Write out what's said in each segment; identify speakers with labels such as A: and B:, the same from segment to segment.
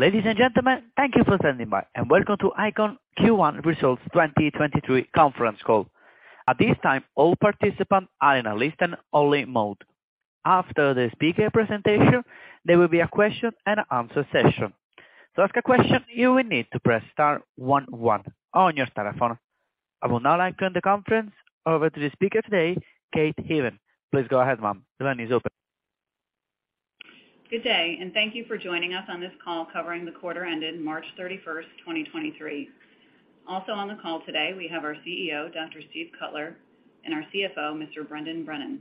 A: Ladies and gentlemen, thank you for standing by and welcome to ICON Q1 Results 2023 conference call. At this time, all participants are in a listen-only mode. After the speaker presentation, there will be a question and answer session. To ask a question, you will need to press star one one on your telephone. I will now hand the conference over to the speaker today, Kate Haven. Please go ahead, ma'am. The line is open.
B: Good day. Thank you for joining us on this call covering the quarter ended March 31st, 2023. Also on the call today, we have our CEO, Dr. Steve Cutler, and our CFO, Mr. Brendan Brennan.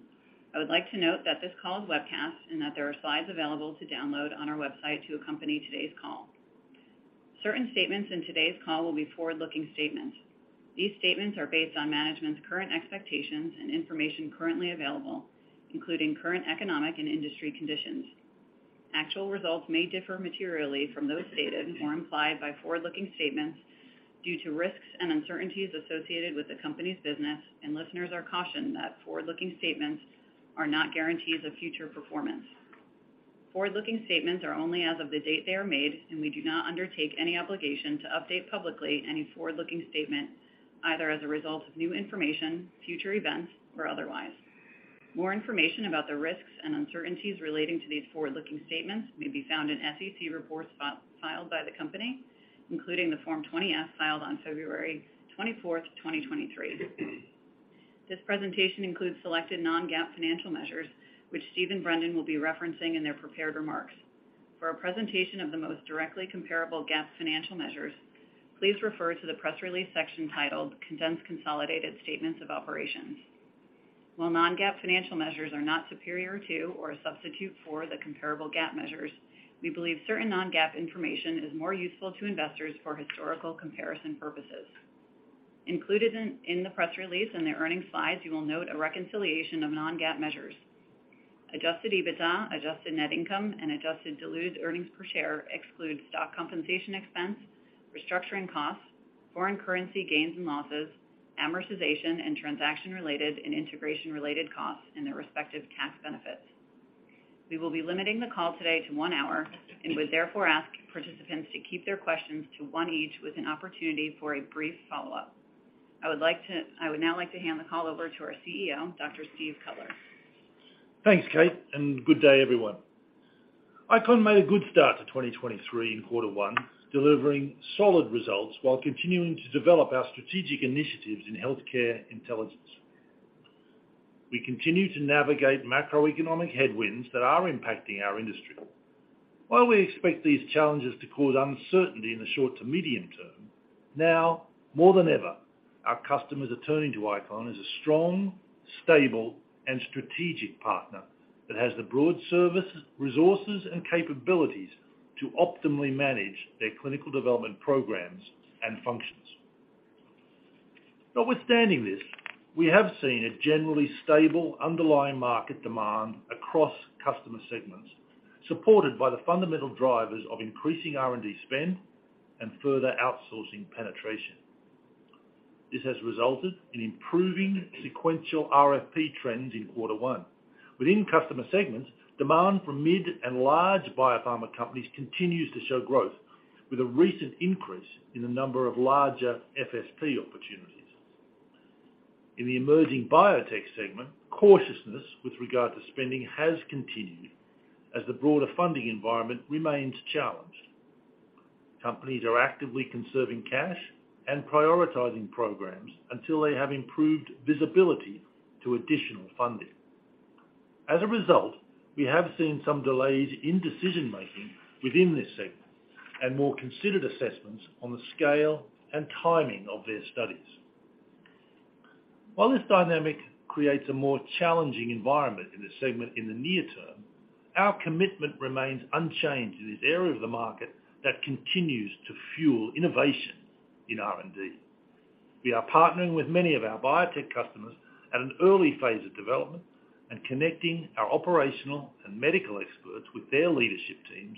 B: I would like to note that this call is webcast and that there are slides available to download on our website to accompany today's call. Certain statements in today's call will be forward-looking statements. These statements are based on management's current expectations and information currently available, including current economic and industry conditions. Actual results may differ materially from those stated or implied by forward-looking statements due to risks and uncertainties associated with the company's business. Listeners are cautioned that forward-looking statements are not guarantees of future performance. Forward-looking statements are only as of the date they are made. We do not undertake any obligation to update publicly any forward-looking statement, either as a result of new information, future events or otherwise. More information about the risks and uncertainties relating to these forward-looking statements may be found in SEC reports filed by the company, including the Form 20-S filed on February 24th, 2023. This presentation includes selected non-GAAP financial measures, which Steve and Brendan will be referencing in their prepared remarks. For a presentation of the most directly comparable GAAP financial measures, please refer to the press release section titled Condensed Consolidated Statements of Operations. While non-GAAP financial measures are not superior to or a substitute for the comparable GAAP measures, we believe certain non-GAAP information is more useful to investors for historical comparison purposes. Included in the press release and the earnings slides, you will note a reconciliation of non-GAAP measures. Adjusted EBITDA, adjusted net income, and adjusted diluted earnings per share exclude stock compensation expense, restructuring costs, foreign currency gains and losses, amortization and transaction-related and integration-related costs and their respective tax benefits. We will be limiting the call today to one hour and would therefore ask participants to keep their questions to one each with an opportunity for a brief follow-up. I would now like to hand the call over to our CEO, Dr. Steve Cutler.
C: Thanks, Kate. Good day everyone. ICON made a good start to 2023 in quarter one, delivering solid results while continuing to develop our strategic initiatives in healthcare intelligence. We continue to navigate macroeconomic headwinds that are impacting our industry. While we expect these challenges to cause uncertainty in the short to medium term, now more than ever, our customers are turning to ICON as a strong, stable, and strategic partner that has the broad service, resources and capabilities to optimally manage their clinical development programs and functions. Notwithstanding this, we have seen a generally stable underlying market demand across customer segments, supported by the fundamental drivers of increasing R&D spend and further outsourcing penetration. This has resulted in improving sequential RFP trends in quarter one. Within customer segments, demand from mid and large biopharma companies continues to show growth, with a recent increase in the number of larger FSP opportunities. In the emerging biotech segment, cautiousness with regard to spending has continued as the broader funding environment remains challenged. Companies are actively conserving cash and prioritizing programs until they have improved visibility to additional funding. As a result, we have seen some delays in decision-making within this segment and more considered assessments on the scale and timing of their studies. While this dynamic creates a more challenging environment in this segment in the near term, our commitment remains unchanged in this area of the market that continues to fuel innovation in R&D. We are partnering with many of our biotech customers at an early phase of development and connecting our operational and medical experts with their leadership teams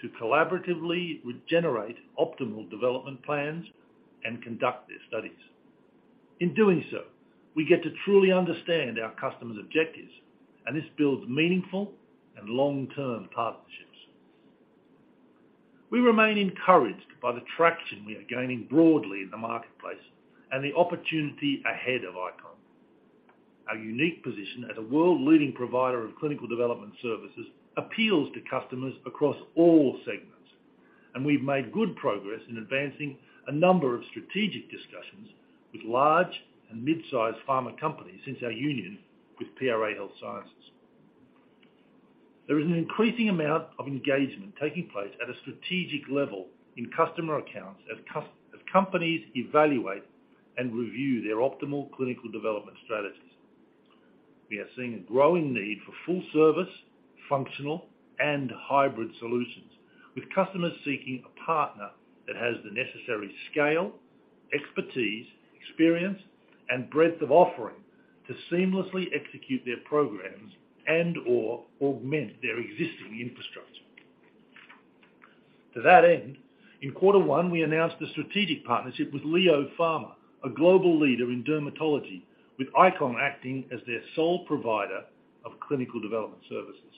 C: to collaboratively regenerate optimal development plans and conduct their studies. In doing so, we get to truly understand our customers' objectives. This builds meaningful and long-term partnerships. We remain encouraged by the traction we are gaining broadly in the marketplace. The opportunity ahead of ICON. Our unique position as a world leading provider of clinical development services appeals to customers across all segments. We've made good progress in advancing a number of strategic discussions with large and mid-sized pharma companies since our union with PRA Health Sciences. There is an increasing amount of engagement taking place at a strategic level in customer accounts as companies evaluate and review their optimal clinical development strategies. We are seeing a growing need for full-service, functional and hybrid solutions with customers seeking a partner that has the necessary scale, expertise, experience, and breadth of offering to seamlessly execute their programs and/or augment their existing infrastructure. To that end, in quarter one, we announced a strategic partnership with LEO Pharma, a global leader in dermatology, with ICON acting as their sole provider of clinical development services.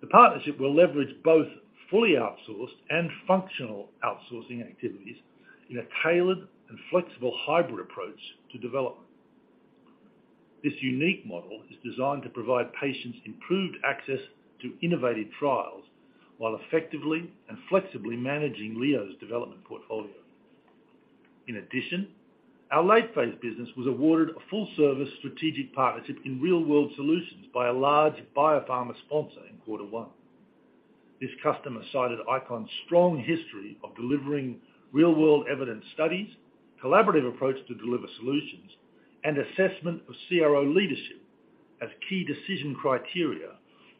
C: The partnership will leverage both fully-outsourced and functional outsourcing activities in a tailored and flexible hybrid approach to development. This unique model is designed to provide patients improved access to innovative trials, while effectively and flexibly managing LEO's development portfolio. In addition, our late phase business was awarded a full-service strategic partnership in real-world solutions by a large biopharma sponsor in quarter one. This customer cited ICON's strong history of delivering real-world evidence studies, collaborative approach to deliver solutions, and assessment of CRO leadership as key decision criteria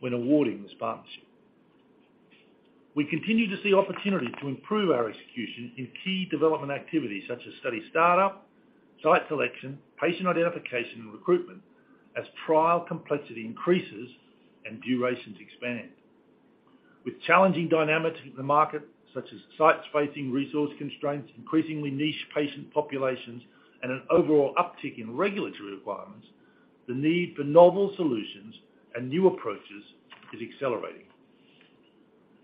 C: when awarding this partnership. We continue to see opportunity to improve our execution in key development activities such as study start-up, site selection, patient identification, and recruitment, as trial complexity increases and durations expand. With challenging dynamics in the market, such as sites facing resource constraints, increasingly niche patient populations, and an overall uptick in regulatory requirements, the need for novel solutions and new approaches is accelerating.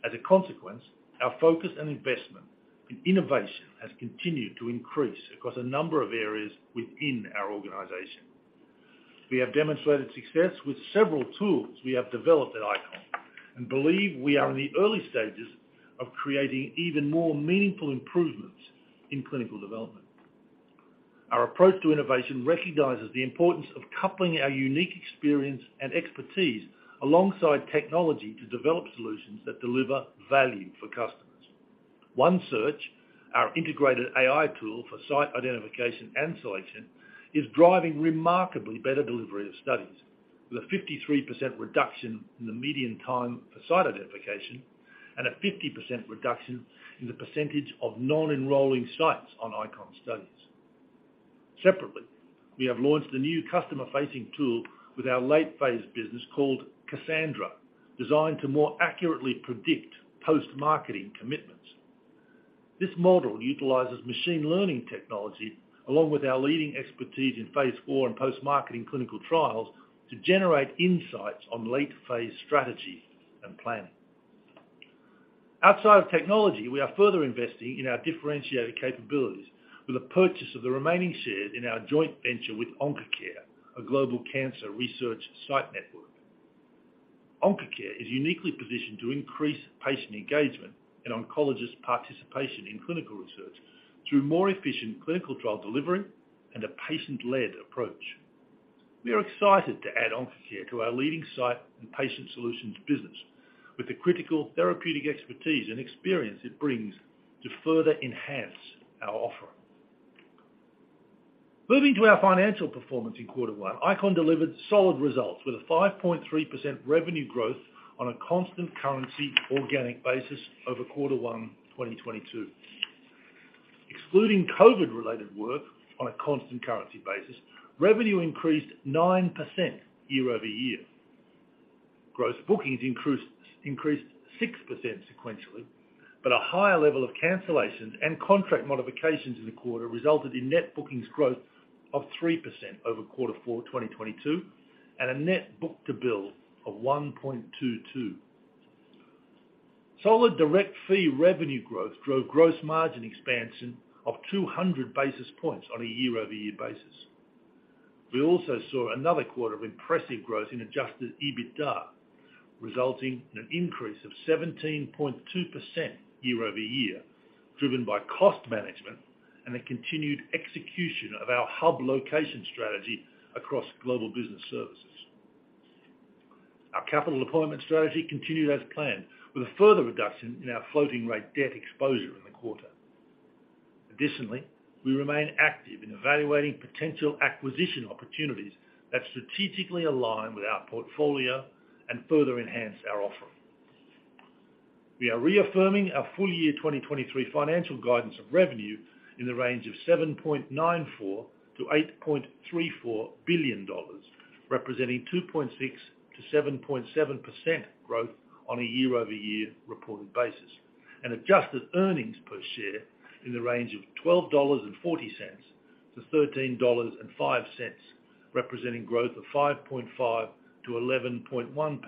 C: As a consequence, our focus and investment in innovation has continued to increase across a number of areas within our organization. We have demonstrated success with several tools we have developed at ICON and believe we are in the early stages of creating even more meaningful improvements in clinical development. Our approach to innovation recognizes the importance of coupling our unique experience and expertise alongside technology to develop solutions that deliver value for customers. uptick, our integrated AI tool for site identification and selection, is driving remarkably better delivery of studies, with a 53% reduction in the median time for site identification and a 50% reduction in the percentage of non-enrolling sites on ICON studies. Separately, we have launched a new customer-facing tool with our late phase business called Cassandra, designed to more accurately predict post-marketing commitments. This model utilizes machine learning technology along with our leading expertise in phase IV and post-marketing clinical trials to generate insights on late phase strategy and planning. Outside of technology, we are further investing in our differentiated capabilities with the purchase of the remaining shares in our joint venture with Oncacare, a global cancer research site network. Oncacare is uniquely positioned to increase patient engagement and oncologist participation in clinical research through more efficient clinical trial delivery and a patient-led approach. We are excited to add Oncacare to our leading site and patient solutions business with the critical therapeutic expertise and experience it brings to further enhance our offering. To our financial performance in quarter one, ICON delivered solid results with a 5.3% revenue growth on a constant currency organic basis over quarter one, 2022. Excluding COVID-related work on a constant currency basis, revenue increased 9% year-over-year. Gross bookings increased 6% sequentially, but a higher level of cancellations and contract modifications in the quarter resulted in net bookings growth of 3% over quarter four, 2022, and a net book-to-bill of 1.22. Solid direct fee revenue growth drove gross margin expansion of 200 basis points on a year-over-year basis. We also saw another quarter of impressive growth in adjusted EBITDA, resulting in an increase of 17.2% year-over-year, driven by cost management and a continued execution of our hub location strategy across global business services. Our capital deployment strategy continued as planned, with a further reduction in our floating rate debt exposure in the quarter. We remain active in evaluating potential acquisition opportunities that strategically align with our portfolio and further enhance our offering. We are our full year 2023 financial guidance of revenue in the range of $7.94 billion-$8.34 billion, representing 2.6%-7.7% growth on a year-over-year reported basis, and adjusted earnings per share in the range of $12.40-$13.05, representing growth of 5.5%-11.1% on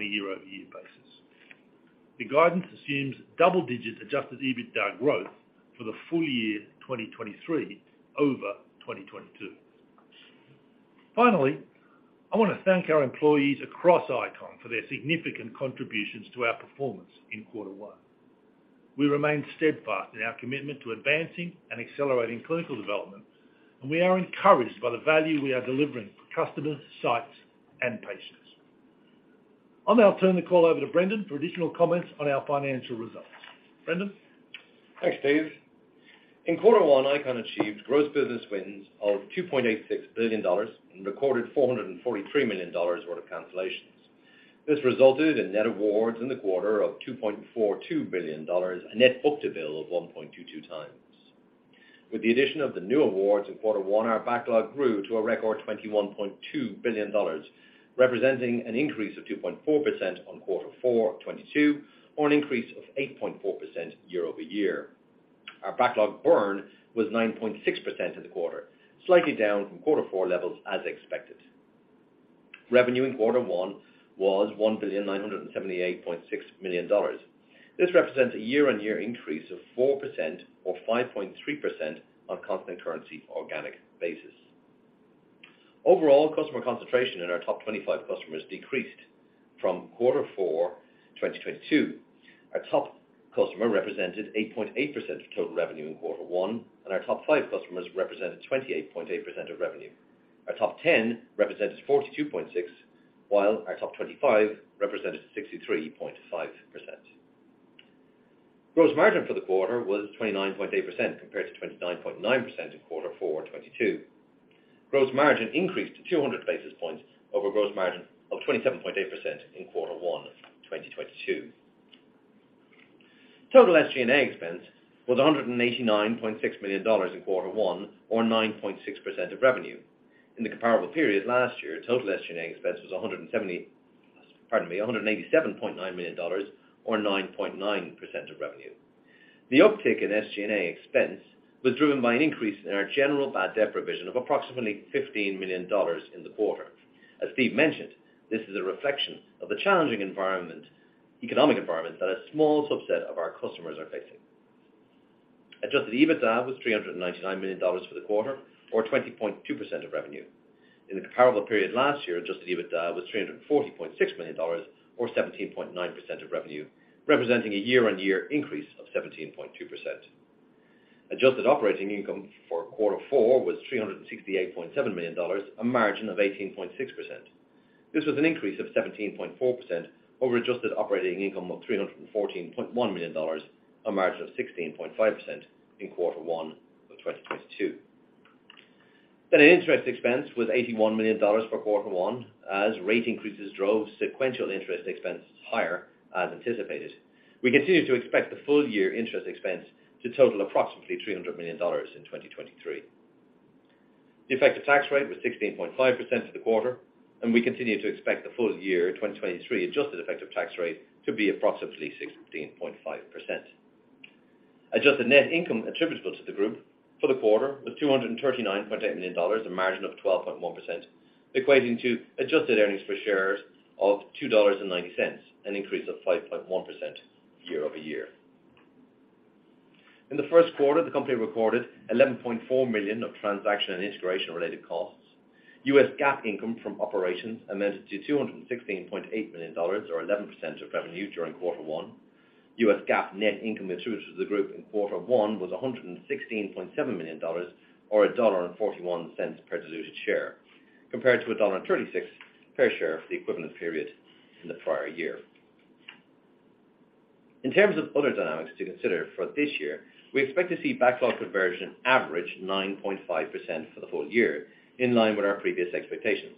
C: a year-over-year basis. The guidance assumes double-digit adjusted EBITDA growth for the full year 2023 over 2022. Finally, I want to thank our employees across ICON for their significant contributions to our performance in quarter one. We remain steadfast in our commitment to advancing and accelerating clinical development, we are encouraged by the value we are delivering for customers, sites, and patients. I'll now turn the call over to Brendan for additional comments on our financial results. Brendan?
D: Thanks, Steve. In quarter one, ICON plc achieved gross business wins of $2.86 billion and recorded $443 million worth of cancellations. This resulted in net awards in the quarter of $2.42 billion and net book-to-bill of 1.22 times. With the addition of the new awards in quarter one, our backlog grew to a record $21.2 billion, representing an increase of 2.4% on quarter four 2022, or an increase of 8.4% year-over-year. Our backlog burn was 9.6% in the quarter, slightly down from quarter four levels as expected. Revenue in quarter one was $1,978.6 million. This represents a year-on-year increase of 4% or 5.3% on constant currency organic basis. Overall, customer concentration in our top 25 customers decreased from quarter four 2022. Our top customer represented 8.8% of total revenue in quarter one, and our top five customers represented 28.8% of revenue. Our top 10 represented 42.6%, while our top 25 represented 63.5%. Gross margin for the quarter was 29.8% compared to 29.9% in quarter four 2022. Gross margin increased to 200 basis points over gross margin of 27.8% in quarter one of 2022. Total SG&A expense was $189.6 million in quarter one or 9.6% of revenue. In the comparable period last year, total SG&A expense was, pardon me, $187.9 million or 9.9% of revenue. The uptick in SG&A expense was driven by an increase in our general bad debt provision of approximately $15 million in the quarter. As Steve mentioned, this is a reflection of the challenging economic environment that a small subset of our customers are facing. Adjusted EBITDA was $399 million for the quarter or 20.2% of revenue. In the comparable period last year, adjusted EBITDA was $340.6 million or 17.9% of revenue, representing a year-on-year increase of 17.2%. Adjusted operating income for quarter four was $368.7 million, a margin of 18.6%. This was an increase of 17.4% over adjusted operating income of $314.1 million, a margin of 16.5% in Q1 2022. Net interest expense was $81 million for Q1 as rate increases drove sequential interest expenses higher as anticipated. We continue to expect the full year interest expense to total approximately $300 million in 2023. The effective tax rate was 16.5% for the quarter, and we continue to expect the full year 2023 adjusted effective tax rate to be approximately 16.5%. Adjusted net income attributable to the group for the quarter was $239.8 million, a margin of 12.1%, equating to adjusted earnings per share of $2.90, an increase of 5.1% year-over-year. In the first quarter, the company recorded $11.4 million of transaction and integration-related costs. US GAAP income from operations amounted to $216.8 million or 11% of revenue during quarter one. US GAAP net income attributable to the group in quarter one was $116.7 million or $1.41 per diluted share, compared to $1.36 per share for the equivalent period in the prior year. In terms of other dynamics to consider for this year, we expect to see backlog conversion average 9.5% for the full year, in line with our previous expectations.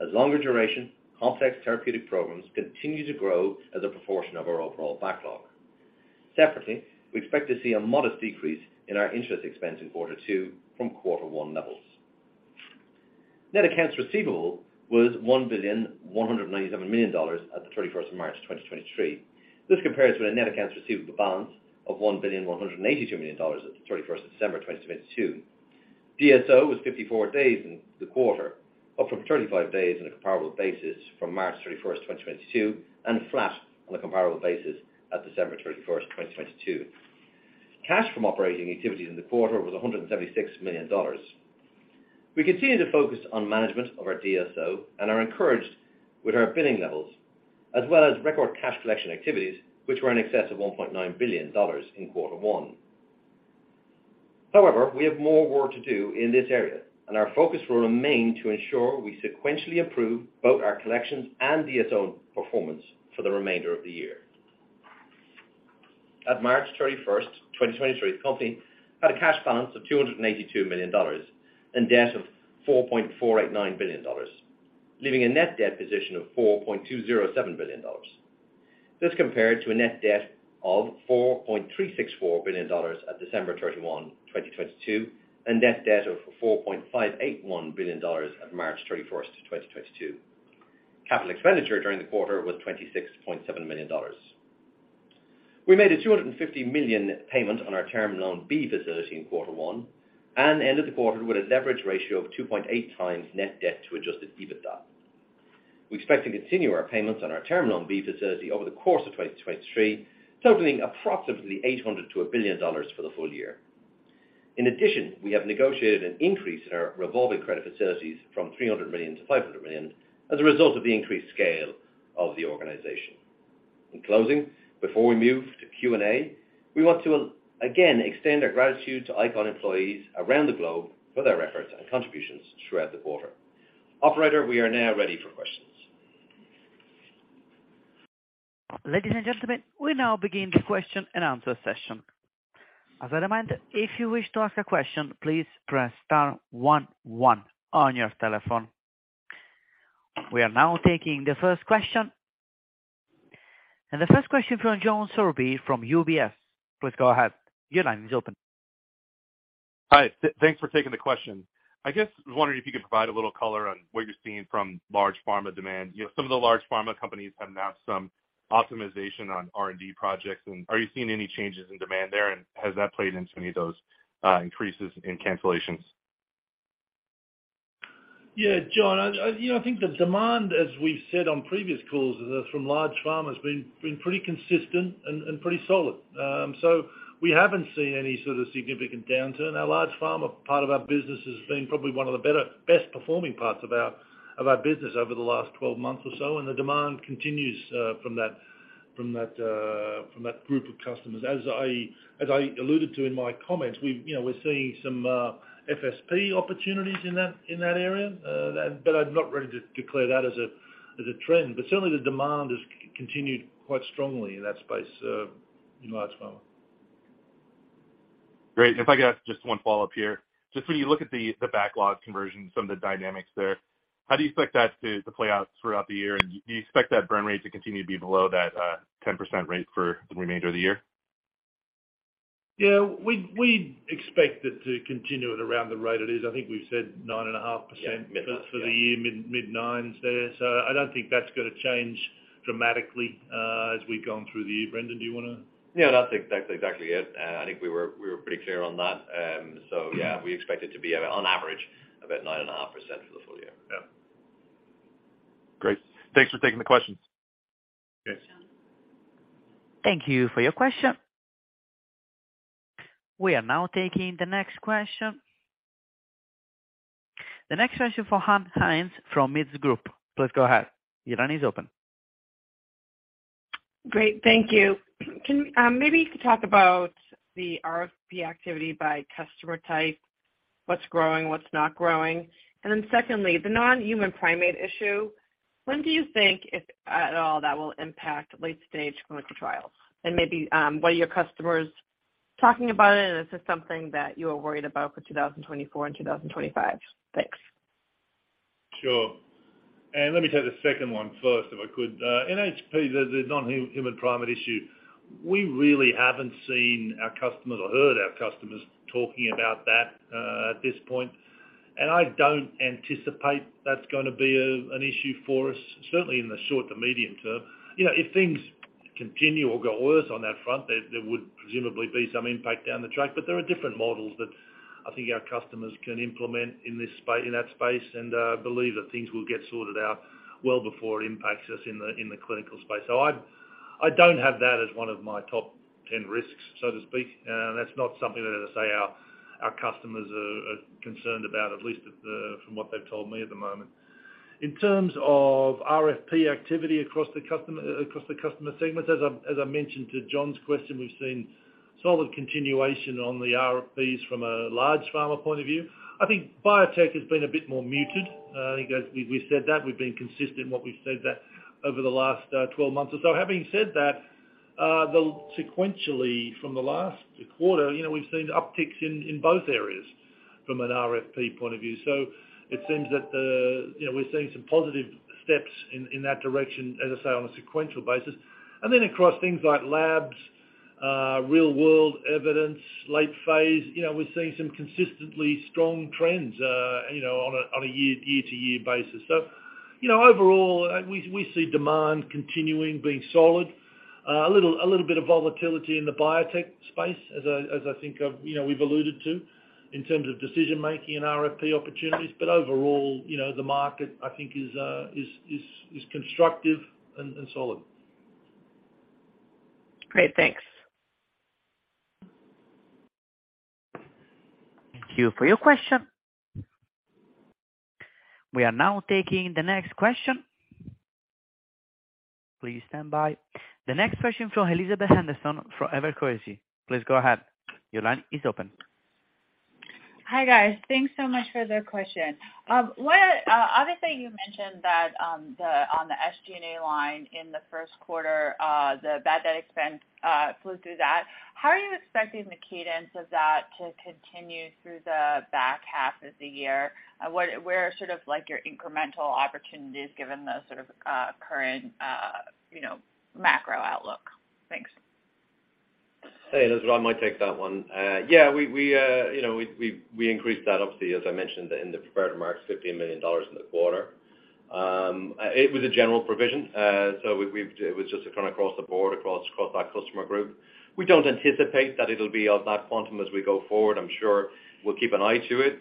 D: Longer duration, complex therapeutic programs continue to grow as a proportion of our overall backlog. Separately, we expect to see a modest decrease in our interest expense in quarter two from quarter one levels. Net accounts receivable was $1,197 million at the 31st of March 2023. This compares with a net accounts receivable balance of $1,182 million at the 31st of December 2022. DSO was 54 days in the quarter, up from 35 days on a comparable basis from March 31st, 2022, and flat on a comparable basis at December 31st, 2022. Cash from operating activities in the quarter was $176 million. We continue to focus on management of our DSO and are encouraged with our billing levels, as well as record cash collection activities, which were in excess of $1.9 billion in Q1. We have more work to do in this area, and our focus will remain to ensure we sequentially improve both our collections and DSO performance for the remainder of the year. At March 31st, 2023, the company had a cash balance of $282 million and debt of $4.489 billion, leaving a net debt position of $4.207 billion. This compared to a net debt of $4.364 billion at December 31, 2022, and net debt of $4.581 billion at March 31st, 2022. Capital expenditure during the quarter was $26.7 million. We made a $250 million payment on our Term Loan B facility in quarter one and ended the quarter with a leverage ratio of 2.8x net debt to adjusted EBITDA. We expect to continue our payments on our Term Loan B facility over the course of 2023, totaling approximately $800 million-$1 billion for the full year. We have negotiated an increase in our revolving credit facilities from $300 million-$500 million as a result of the increased scale of the organization. Before we move to Q&A, we want to again extend our gratitude to ICON employees around the globe for their efforts and contributions throughout the quarter. Operator, we are now ready for questions.
A: Ladies and gentlemen, we now begin the question and answer session. As a reminder, if you wish to ask a question, please press star one one on your telephone. We are now taking the first question. The first question from John Sourbeer from UBS. Please go ahead. Your line is open.
E: Hi. Thanks for taking the question. I guess I was wondering if you could provide a little color on what you're seeing from large pharma demand. You know, some of the large pharma companies have announced some optimization on R&D projects. Are you seeing any changes in demand there? Has that played into any of those increases in cancellations?
C: John, you know, I think the demand, as we've said on previous calls, is from large pharma has been pretty consistent and pretty solid. We haven't seen any sort of significant downturn. Our large pharma part of our business has been probably one of the better, best performing parts of our business over the last 12 months or so. The demand continues from that group of customers. As I alluded to in my comments, you know, we're seeing some FSP opportunities in that area. I'm not ready to declare that as a trend. Certainly the demand has continued quite strongly in that space in large pharma.
E: Great. If I could ask just one follow-up here. Just when you look at the backlog conversion, some of the dynamics there, how do you expect that to play out throughout the year? Do you expect that burn rate to continue to be below that 10% rate for the remainder of the year?
C: Yeah. We expect it to continue at around the rate it is. I think we've said 9.5%-
E: Yeah.
C: for the year, mid-nines there. I don't think that's gonna change dramatically as we've gone through the year. Brendan, do you wanna?
D: Yeah, that's exactly it. I think we were pretty clear on that. Yeah, we expect it to be on average, about 9.5% for the full year.
E: Yeah. Great. Thanks for taking the question.
D: Okay.
A: Thank you for your question. We are now taking the next question. The next question from Ann Hynes from Mizuho Group. Please go ahead. Your line is open.
F: Great. Thank you. Maybe you could talk about the RFP activity by customer type, what's growing, what's not growing. Secondly, the non-human primate issue, when do you think, if at all, that will impact late-stage clinical trials? Maybe, what are your customers talking about it, and is this something that you are worried about for 2024 and 2025? Thanks.
C: Sure. Let me take the second one first, if I could. NHP, the human primate issue, we really haven't seen our customers or heard our customers talking about that at this point. I don't anticipate that's gonna be an issue for us, certainly in the short to medium term. You know, if things continue or get worse on that front, there would presumably be some impact down the track, but there are different models that I think our customers can implement in that space. I believe that things will get sorted out well before it impacts us in the clinical space. I don't have that as one of my top 10 risks, so to speak. That's not something that I say our customers are concerned about, at least at the... from what they've told me at the moment. In terms of RFP activity across the customer segments, as I mentioned to John's question, we've seen solid continuation on the RFPs from a large pharma point of view. I think biotech has been a bit more muted. I think as we've said that, we've been consistent in what we've said that over the last 12 months or so. Having said that, sequentially from the last quarter, you know, we've seen upticks in both areas from an RFP point of view. It seems, you know, we're seeing some positive steps in that direction, as I say, on a sequential basis. Then across things like labs, real-world evidence, late phase, you know, we're seeing some consistently strong trends, you know, on a year-to-year basis. Overall, you know, we see demand continuing being solid. A little bit of volatility in the biotech space as I think you know, we've alluded to in terms of decision making and RFP opportunities. Overall, you know, the market, I think is constructive and solid.
F: Great. Thanks.
A: Thank you for your question. We are now taking the next question. Please stand by. The next question from Elizabeth Anderson from Evercore ISI. Please go ahead. Your line is open.
G: Hi, guys. Thanks so much for the question. obviously you mentioned that, the on the SG&A line in the first quarter, the bad debt expense flew through that. How are you expecting the cadence of that to continue through the back half of the year? Where are sort of like your incremental opportunities given the sort of, you know, macro outlook? Thanks.
D: Hey, Elizabeth. I might take that one. Yeah. We, you know, we increased that obviously, as I mentioned in the prepared remarks, $15 million in the quarter. It was a general provision. It was just across the board, across that customer group. We don't anticipate that it'll be of that quantum as we go forward. I'm sure we'll keep an eye to it.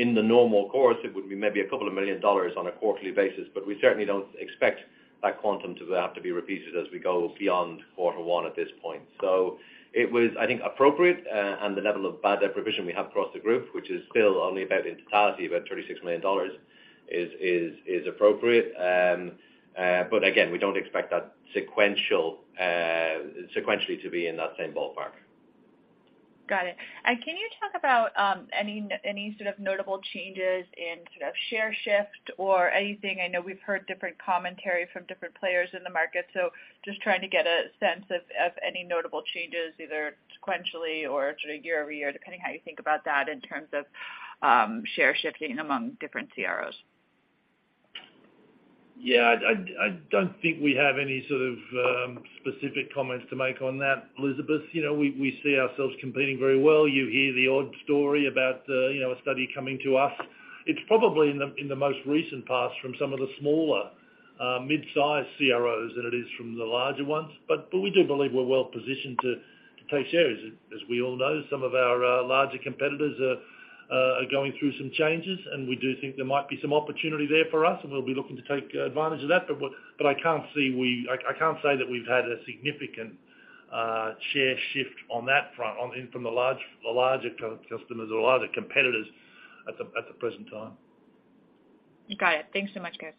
D: In the normal course, it would be maybe a couple of million dollars on a quarterly basis. We certainly don't expect that quantum to have to be repeated as we go beyond quarter one at this point. It was, I think, appropriate, and the level of bad debt provision we have across the group, which is still only about in totality, about $36 million is appropriate. Again, we don't expect that sequential, sequentially to be in that same ballpark.
G: Got it. Can you talk about any sort of notable changes in sort of share shift or anything? I know we've heard different commentary from different players in the market, so just trying to get a sense of any notable changes, either sequentially or sort of year-over-year, depending how you think about that in terms of share shifting among different CROs.
C: Yeah, I don't think we have any sort of specific comments to make on that, Elizabeth. You know, we see ourselves competing very well. You hear the odd story about, you know, a study coming to us. It's probably in the most recent past from some of the smaller, mid-sized CROs than it is from the larger ones. We do believe we're well positioned to take shares. We all know, some of our larger competitors are going through some changes, and we do think there might be some opportunity there for us, and we'll be looking to take advantage of that. I can't say that we've had a significant share shift on that front from the larger customers or larger competitors at the present time.
G: Got it. Thanks so much, guys.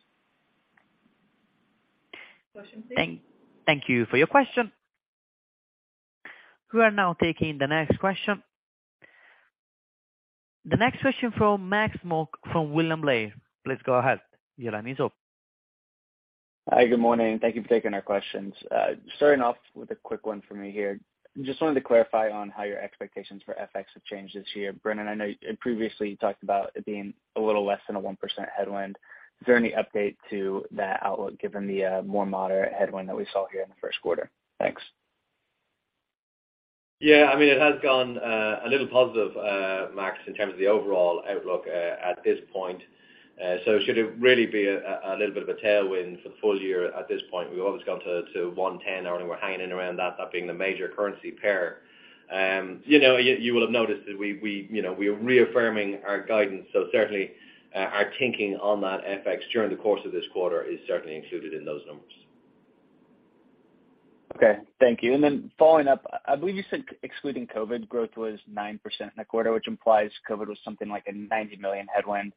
G: Question, please.
A: Thank you for your question. We are now taking the next question. The next question from Max Smock from William Blair. Please go ahead. Your line is open.
H: Hi, good morning. Thank you for taking our questions. Starting off with a quick one for me here. Just wanted to clarify on how your expectations for FX have changed this year. Brendan, I know you previously talked about it being a little less than a 1% headwind. Is there any update to that outlook given the more moderate headwind that we saw here in the first quarter? Thanks.
C: Yeah. I mean, it has gone a little positive, Max, in terms of the overall outlook at this point. Should it really be a little bit of a tailwind for the full year at this point, we've always gone to 110, or we're hanging in around that being the major currency pair. You know, you will have noticed that we, you know, we're reaffirming our guidance. Certainly, our thinking on that FX during the course of this quarter is certainly included in those numbers.
H: Okay. Thank you. Following up, I believe you said excluding COVID, growth was 9% in the quarter, which implies COVID was something like a $90 million headwind.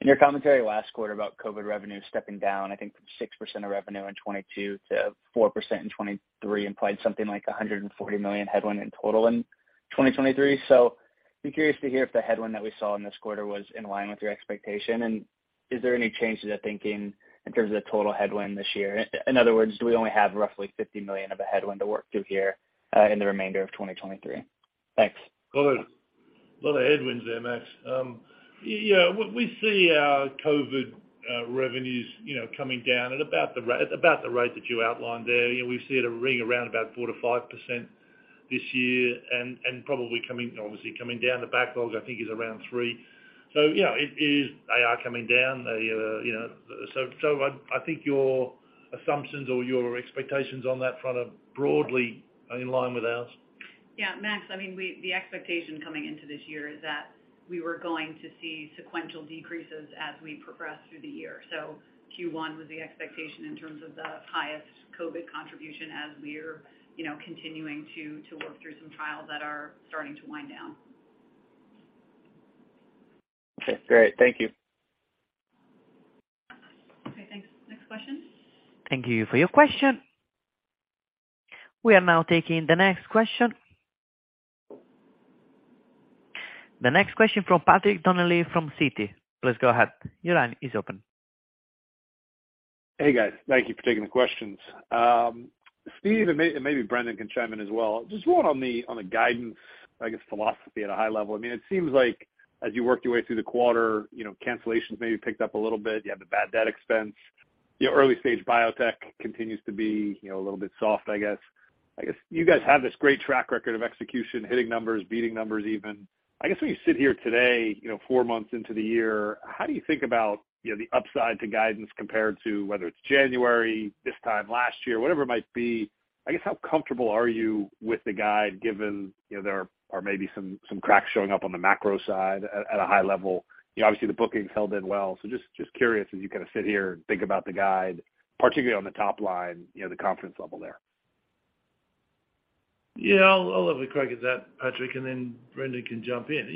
H: In your commentary last quarter about COVID revenue stepping down, I think from 6% of revenue in 2022 to 4% in 2023 implied something like a $140 million headwind in total in 2023. Be curious to hear if the headwind that we saw in this quarter was in line with your expectation. Is there any change to the thinking in terms of total headwind this year? In other words, do we only have roughly $50 million of a headwind to work through here in the remainder of 2023? Thanks.
C: Got a lot of headwinds there, Max. You know, we see our COVID revenues, you know, coming down at about the rate that you outlined there. You know, we see it ring around about 4%-5% this year and probably coming, obviously coming down. The backlogs, I think is around 3. Yeah, it is, they are coming down. They, you know. I think your assumptions or your expectations on that front are broadly in line with ours.
B: Yeah, Max, I mean, the expectation coming into this year is that we were going to see sequential decreases as we progress through the year. Q1 was the expectation in terms of the highest COVID contribution as we're, you know, continuing to work through some trials that are starting to wind down.
H: Okay, great. Thank you.
B: Okay, thanks. Next question.
A: Thank you for your question. We are now taking the next question. The next question from Patrick Donnelly from Citi. Please go ahead. Your line is open.
I: Hey, guys. Thank you for taking the questions. Steve, and maybe Brendan can chime in as well. Just one on the, on the guidance, I guess, philosophy at a high level. I mean, it seems like as you work your way through the quarter, you know, cancellations maybe picked up a little bit. You have the bad debt expense. You know, early-stage biotech continues to be, you know, a little bit soft, I guess. I guess you guys have this great track record of execution, hitting numbers, beating numbers even. I guess when you sit here today, you know, four months into the year, how do you think about, you know, the upside to guidance compared to whether it's January this time last year, whatever it might be? I guess, how comfortable are you with the guide given, you know, there are maybe some cracks showing up on the macro side at a high level? You know, obviously, the bookings held in well. Just curious as you kind of sit here and think about the guide, particularly on the top line, you know, the confidence level there?
C: Yeah. I'll have a crack at that, Patrick, then Brendan can jump in.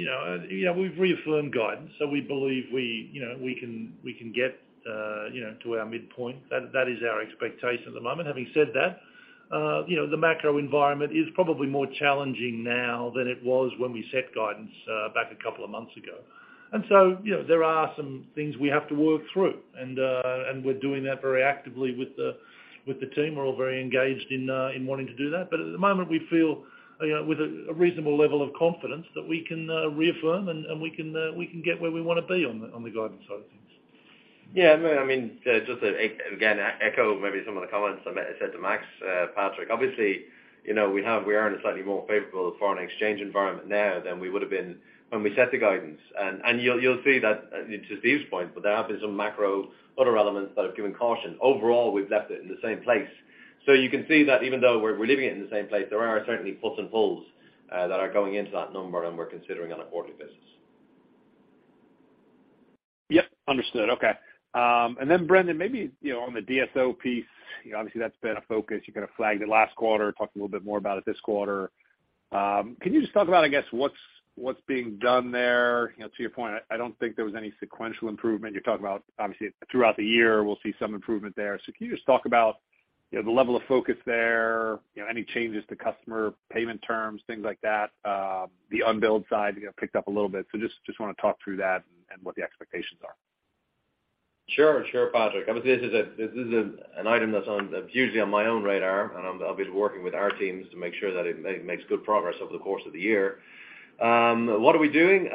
C: You know, we've reaffirmed guidance, we believe we, you know, we can get, you know, to our midpoint. That is our expectation at the moment. Having said that, you know, the macro environment is probably more challenging now than it was when we set guidance back a couple of months ago. You know, there are some things we have to work through. We're doing that very actively with the team. We're all very engaged in wanting to do that. At the moment, we feel, you know, with a reasonable level of confidence that we can reaffirm and we can get where we wanna be on the guidance side of things.
D: Yeah. I mean, just to again, echo maybe some of the comments I said to Max, Patrick. Obviously, you know, we are in a slightly more favorable foreign exchange environment now than we would have been when we set the guidance. You'll see that, to these point, but there have been some macro other elements that have given caution. Overall, we've left it in the same place. You can see that even though we're leaving it in the same place, there are certainly puts and pulls that are going into that number and we're considering on a quarterly basis.
I: Yep, understood. Okay. Then Brendan, maybe, you know, on the DSO piece, you know, obviously that's been a focus. You kind of flagged it last quarter, talked a little bit more about it this quarter. Can you just talk about, I guess, what's being done there? You know, to your point, I don't think there was any sequential improvement. You're talking about, obviously, throughout the year, we'll see some improvement there. Can you just talk about, you know, the level of focus there, you know, any changes to customer payment terms, things like that? The unbilled side, you know, picked up a little bit. Just wanna talk through that and what the expectations are.
D: Sure. Sure, Patrick. I would say this is an item that's usually on my own radar, and I'll be working with our teams to make sure that it makes good progress over the course of the year. What are we doing?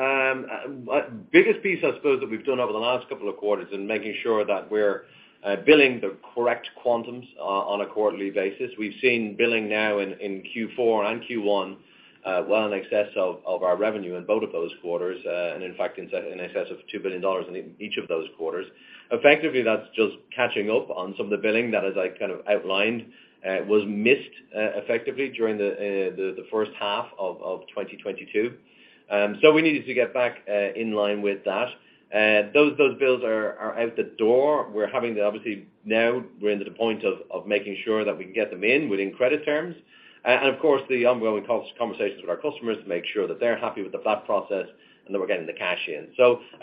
D: Biggest piece, I suppose, that we've done over the last couple of quarters in making sure that we're billing the correct quantums on a quarterly basis. We've seen billing now in Q4 and Q1, well in excess of our revenue in both of those quarters, and in fact, in excess of $2 billion in each of those quarters. Effectively, that's just catching up on some of the billing that, as I kind of outlined, was missed effectively during the first half of 2022. We needed to get back in line with that. Those bills are out the door. We're having the obviously now we're into the point of making sure that we can get them in within credit terms. Of course, the ongoing conversations with our customers to make sure that they're happy with the flat process and that we're getting the cash in.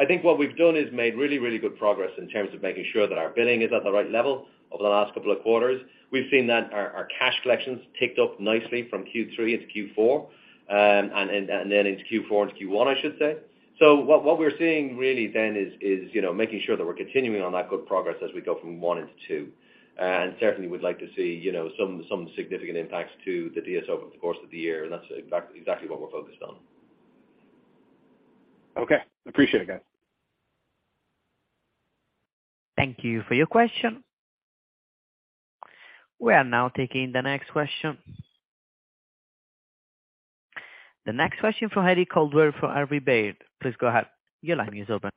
D: I think what we've done is made really, really good progress in terms of making sure that our billing is at the right level over the last couple of quarters. We've seen that our cash collections ticked up nicely from Q3 into Q4, and then into Q4 and Q1, I should say. What we're seeing really then is, you know, making sure that we're continuing on that good progress as we go from one into two, and certainly would like to see, you know, some significant impacts to the DSO over the course of the year. That's exactly what we're focused on.
I: Okay. Appreciate it, guys.
A: Thank you for your question. We are now taking the next question. The next question from Eric Coldwell for Robert W. Baird. Please go ahead. Your line is open.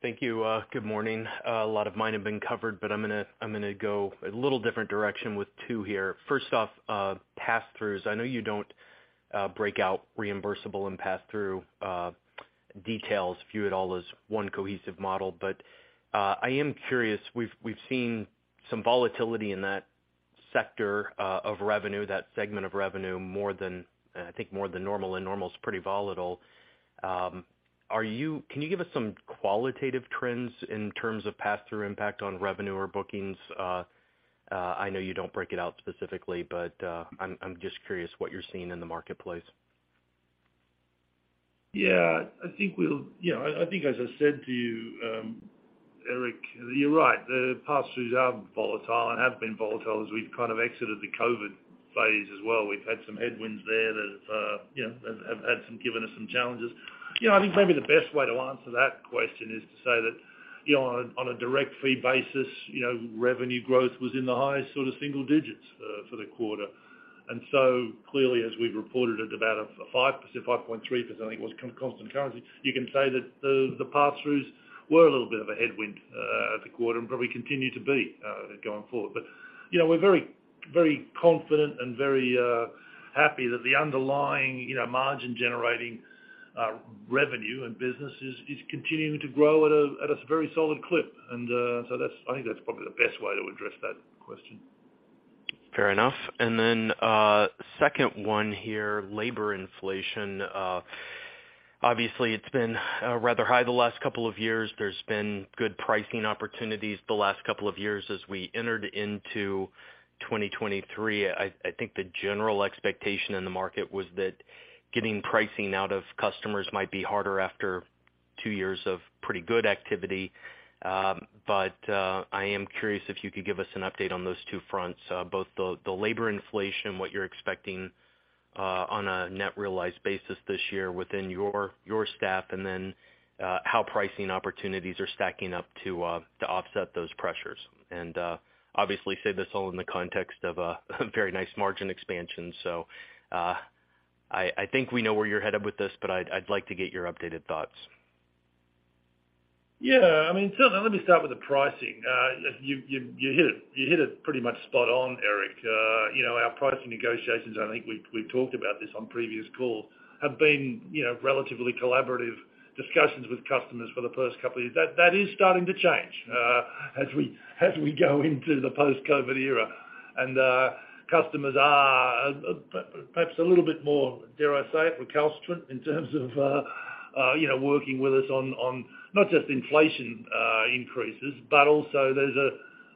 J: Thank you. Good morning. A lot of mine have been covered, but I'm gonna go a little different direction with two here. First off, pass-throughs. I know you don't break out reimbursable and pass-through details, view it all as one cohesive model. I am curious, we've seen some volatility in that sector of revenue, that segment of revenue, more than I think more than normal, and normal is pretty volatile. Can you give us some qualitative trends in terms of pass-through impact on revenue or bookings? I know you don't break it out specifically, but I'm just curious what you're seeing in the marketplace.
C: Yeah, I think we'll. You know, I think as I said to you, Eric, you're right. The pass-throughs are volatile and have been volatile as we've kind of exited the COVID phase as well. We've had some headwinds there that, you know, have had some challenges. You know, I think maybe the best way to answer that question is to say that, you know, on a direct fee basis, you know, revenue growth was in the highest sort of single digits for the quarter. Clearly, as we've reported at about a 5%, 5.3%, I think it was constant currency, you can say that the pass-throughs were a little bit of a headwind at the quarter and probably continue to be going forward. You know, we're very confident and very happy that the underlying, you know, margin-generating revenue and business is continuing to grow at a very solid clip. I think that's probably the best way to address that question.
J: Fair enough. Then, second one here, labor inflation. Obviously it's been rather high the last two years. There's been good pricing opportunities the last two years as we entered into 2023. I think the general expectation in the market was that getting pricing out of customers might be harder after two years of pretty good activity. But, I am curious if you could give us an update on those two fronts. Both the labor inflation, what you're expecting on a net realized basis this year within your staff, and then how pricing opportunities are stacking up to offset those pressures. Obviously say this all in the context of a very nice margin expansion. I think we know where you're headed with this, but I'd like to get your updated thoughts.
C: Yeah, I mean, certainly, let me start with the pricing. You hit it pretty much spot on, Eric. You know, our pricing negotiations, and I think we've talked about this on previous call, have been, you know, relatively collaborative discussions with customers for the first couple years. That is starting to change as we go into the post-COVID era. Customers are, perhaps a little bit more, dare I say it, recalcitrant in terms of, you know, working with us on not just inflation increases, but also there's a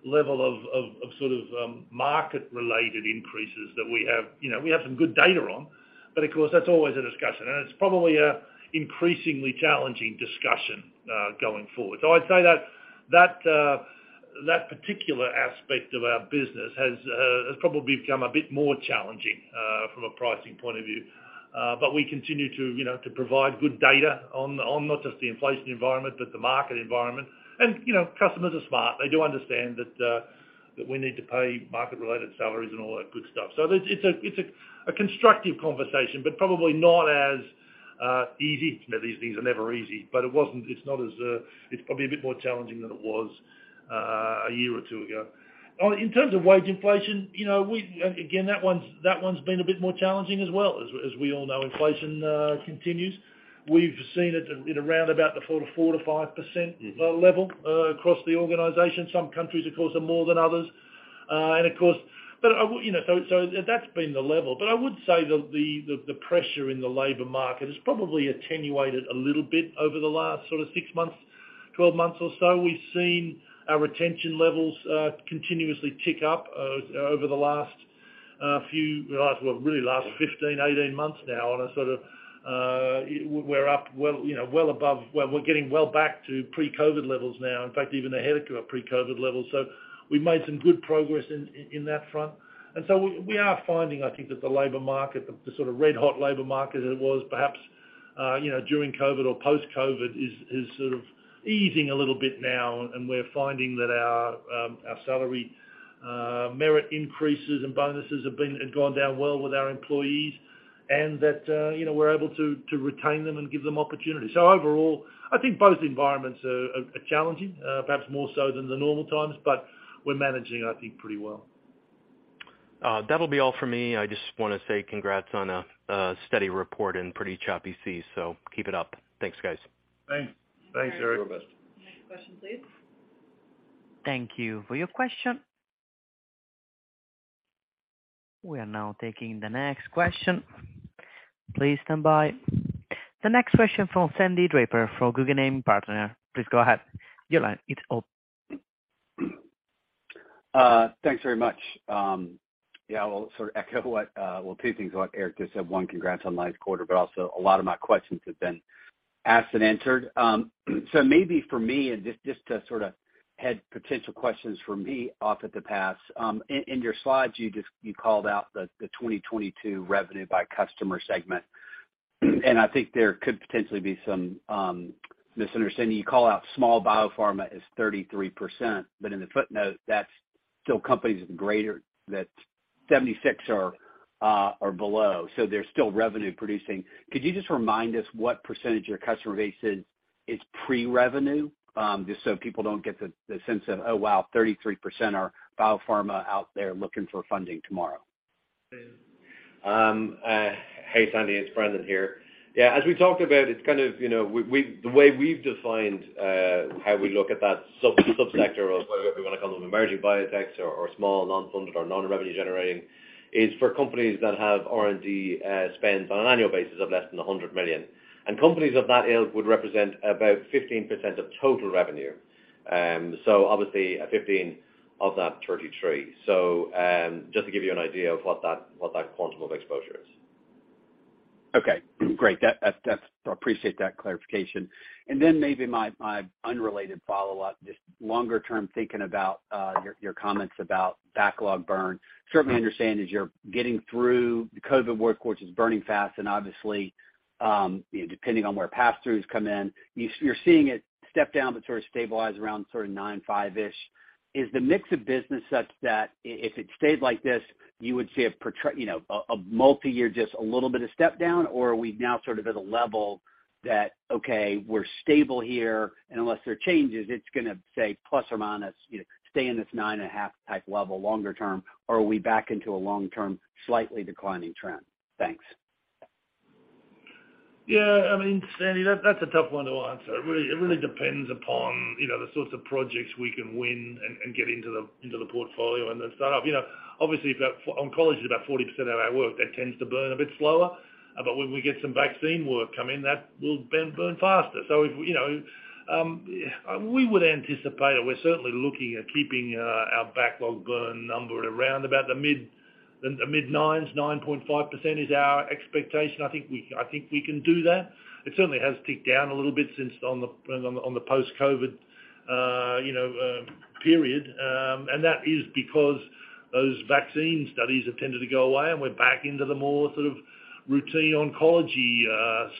C: level of sort of market-related increases that we have, you know, we have some good data on, but of course that's always a discussion and it's probably an increasingly challenging discussion going forward. I'd say that that particular aspect of our business has probably become a bit more challenging from a pricing point of view. We continue to, you know, to provide good data on not just the inflation environment, but the market environment. You know, customers are smart. They do understand that we need to pay market-related salaries and all that good stuff. It's a constructive conversation, but probably not as easy. These things are never easy, but it's not as, it's probably a bit more challenging than it was a year or two ago. In terms of wage inflation, you know, again, that one's been a bit more challenging as well, as we all know, inflation continues. We've seen it at around about the 4%-5%.
J: Mm-hmm.
C: level across the organization. Some countries, of course, are more than others. Of course. I would, you know, so that's been the level. I would say the pressure in the labor market has probably attenuated a little bit over the last sort of six months, 12 months or so. We've seen our retention levels continuously tick up over the well, really last 15, 18 months now on a sort of, we're up well, you know, well above. We're getting well back to pre-COVID levels now. In fact, even ahead of pre-COVID levels. We've made some good progress in that front. We are finding, I think, that the labor market, the sort of red-hot labor market as it was perhaps, you know, during COVID or post-COVID, is sort of easing a little bit now. We're finding that our salary, merit increases and bonuses have gone down well with our employees. That, you know, we're able to retain them and give them opportunities. Overall, I think both environments are challenging, perhaps more so than the normal times, but we're managing, I think, pretty well.
J: That'll be all for me. I just wanna say congrats on a steady report and pretty choppy seas. Keep it up. Thanks, guys.
D: Thanks.
C: Thanks, Eric.
K: Next question, please.
A: Thank you for your question. We are now taking the next question. Please stand by. The next question from Sandy Draper from Guggenheim Partners. Please go ahead. Your line is open.
L: Thanks very much. Yeah, I'll sort of echo what Eric just said. One, congrats on last quarter, but also a lot of my questions have been asked and answered. Maybe for me, and just to sorta head potential questions for me off at the pass, in your slides, you called out the 2022 revenue by customer segment. I think there could potentially be some misunderstanding. You call out small biopharma as 33%, but in the footnote, that's still companies greater than 76 or below, so they're still revenue producing. Could you just remind us what percentage of your customer base is pre-revenue? Just so people don't get the sense of, oh, wow, 33% are biopharma out there looking for funding tomorrow.
D: Hey, Sandy, it's Brendan here. Yeah, as we talked about, it's kind of, you know, the way we've defined how we look at that sub-subsector of whether we wanna call them emerging biotechs or small, non-funded or non-revenue generating, is for companies that have R&D spends on an annual basis of less than $100 million. Companies of that ilk would represent about 15% of total revenue. Obviously a 15 of that 33. Just to give you an idea of what that, what that quantum of exposure is.
L: Okay, great. That's. I appreciate that clarification. Maybe my unrelated follow-up, just longer term thinking about your comments about backlog burn. Certainly understand as you're getting through the COVID work course is burning fast and obviously, you know, depending on where pass-throughs come in, you're seeing it step down but sort of stabilize around sort of 9.5-ish. Is the mix of business such that if it stayed like this, you would see a multi-year just a little bit of step down? Are we now sort of at a level that, okay, we're stable here, and unless there are changes, it's gonna say plus or minus, you know, stay in this 9.5 type level longer term? Are we back into a long-term, slightly declining trend? Thanks.
C: Yeah. I mean, Sandy, that's a tough one to answer. It really depends upon, you know, the sorts of projects we can win and get into the portfolio and then start up. You know, obviously if oncology is about 40% of our work, that tends to burn a bit slower. When we get some vaccine work come in, that will burn faster. If, you know, we would anticipate or we're certainly looking at keeping our backlog burn number at around about the mid-nines, 9.5% is our expectation. I think we can do that. It certainly has ticked down a little bit since on the post-COVID, you know, period. That is because those vaccine studies have tended to go away and we're back into the more sort of routine oncology,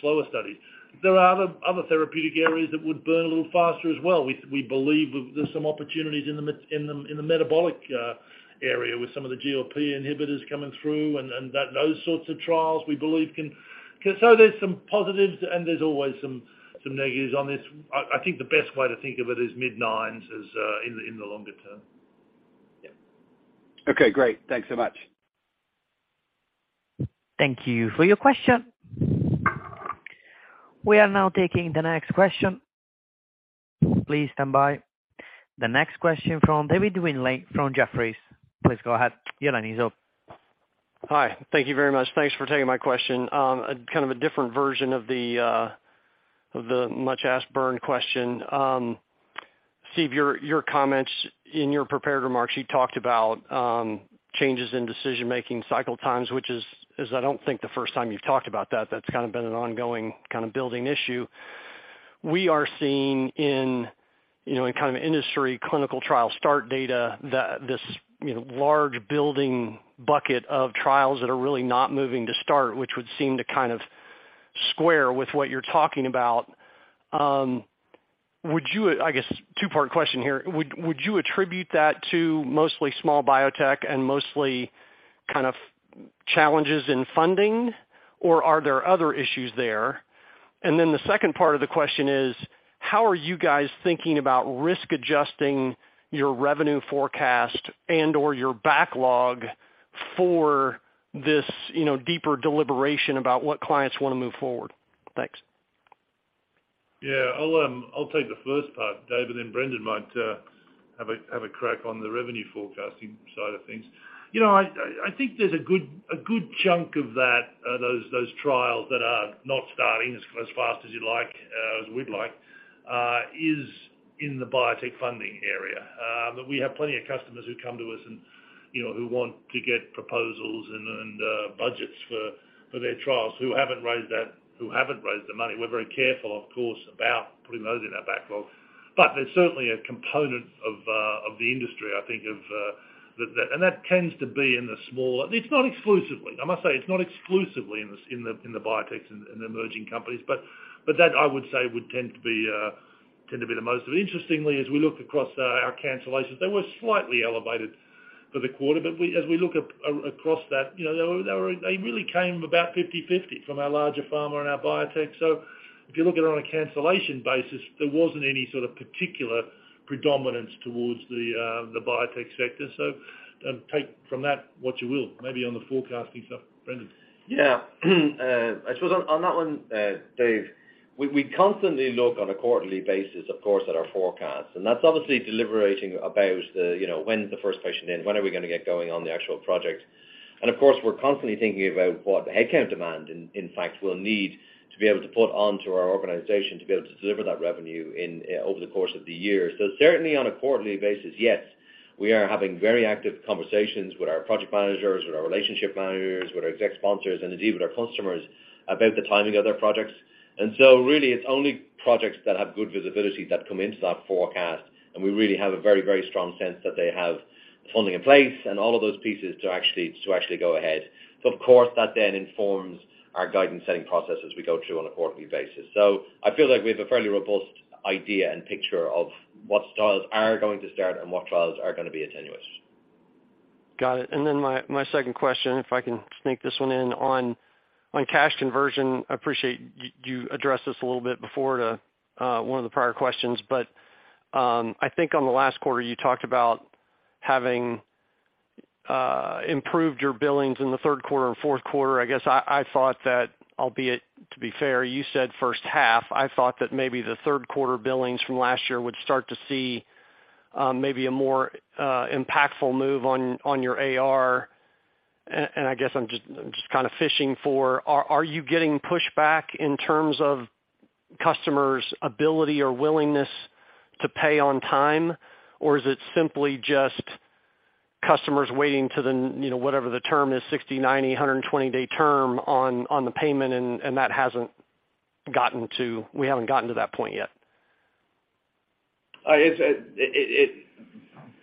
C: slower studies. There are other therapeutic areas that would burn a little faster as well. We believe there's some opportunities in the metabolic area with some of the GLP agonists coming through. Those sorts of trials we believe can. There's some positives and there's always some negatives on this. I think the best way to think of it is mid-nines in the longer term.
L: Okay, great. Thanks so much.
A: Thank you for your question. We are now taking the next question. Please stand by. The next question from David Windley from Jefferies. Please go ahead. Your line is open.
M: Hi. Thank you very much. Thanks for taking my question. A kind of a different version of the of the much asked burn question. Steve, your comments in your prepared remarks, you talked about changes in decision-making cycle times, which is I don't think the first time you've talked about that. That's kinda been an ongoing building issue. We are seeing in, you know, in kind of industry clinical trial start data that this, you know, large building bucket of trials that are really not moving to start, which would seem to kind of square with what you're talking about. I guess two-part question here. Would you attribute that to mostly small biotech and mostly kind of challenges in funding, or are there other issues there? The second part of the question is: how are you guys thinking about risk adjusting your revenue forecast and/or your backlog for this, you know, deeper deliberation about what clients wanna move forward? Thanks.
C: Yeah. I'll take the first part, David, and Brendan might have a crack on the revenue forecasting side of things. You know, I think there's a good chunk of that, those trials that are not starting as fast as you'd like, as we'd like, is in the biotech funding area. We have plenty of customers who come to us and, you know, who want to get proposals and budgets for their trials who haven't raised the money. We're very careful, of course, about putting those in our backlog. There's certainly a component of the industry, I think of that. That tends to be in the small. It's not exclusively. I must say it's not exclusively in the biotechs and the emerging companies. That, I would say, would tend to be the most of it. Interestingly, as we look across our cancellations, they were slightly elevated for the quarter, but as we look across that, you know, they were 50/50 from our larger pharma and our biotech. If you look at it on a cancellation basis, there wasn't any sort of particular predominance towards the biotech sector. Take from that what you will, maybe on the forecasting stuff. Brendan.
D: Yeah. I suppose on that one, Steve, we constantly look on a quarterly basis, of course, at our forecasts, and that's obviously deliberating about the, you know, when's the first patient in? When are we gonna get going on the actual project? Of course, we're constantly thinking about what the headcount demand, in fact, we'll need to be able to put onto our organization to be able to deliver that revenue in over the course of the year. Certainly on a quarterly basis, yes, we are having very active conversations with our project managers, with our relationship managers, with our exec sponsors, and indeed with our customers about the timing of their projects. Really it's only projects that have good visibility that come into that forecast. We really have a very, very strong sense that they have the funding in place and all of those pieces to actually go ahead. Of course, that then informs our guidance setting process as we go through on a quarterly basis. I feel like we have a fairly robust idea and picture of what trials are going to start and what trials are gonna be tenuous.
M: Got it. My 2nd question, if I can sneak this one in, on cash conversion. I appreciate you addressed this a little bit before to one of the prior questions. I think on the last quarter, you talked about having improved your billings in the 3rd quarter and 4th quarter. I guess I thought that albeit, to be fair, you said 1st half, I thought that maybe the 3rd quarter billings from last year would start to see maybe a more impactful move on your AR. I guess I'm just kinda fishing for are you getting pushback in terms of customers' ability or willingness to pay on time? Is it simply just customers waiting till you know, whatever the term is, 60, 90, 120 day term on the payment? We haven't gotten to that point yet.
D: It's it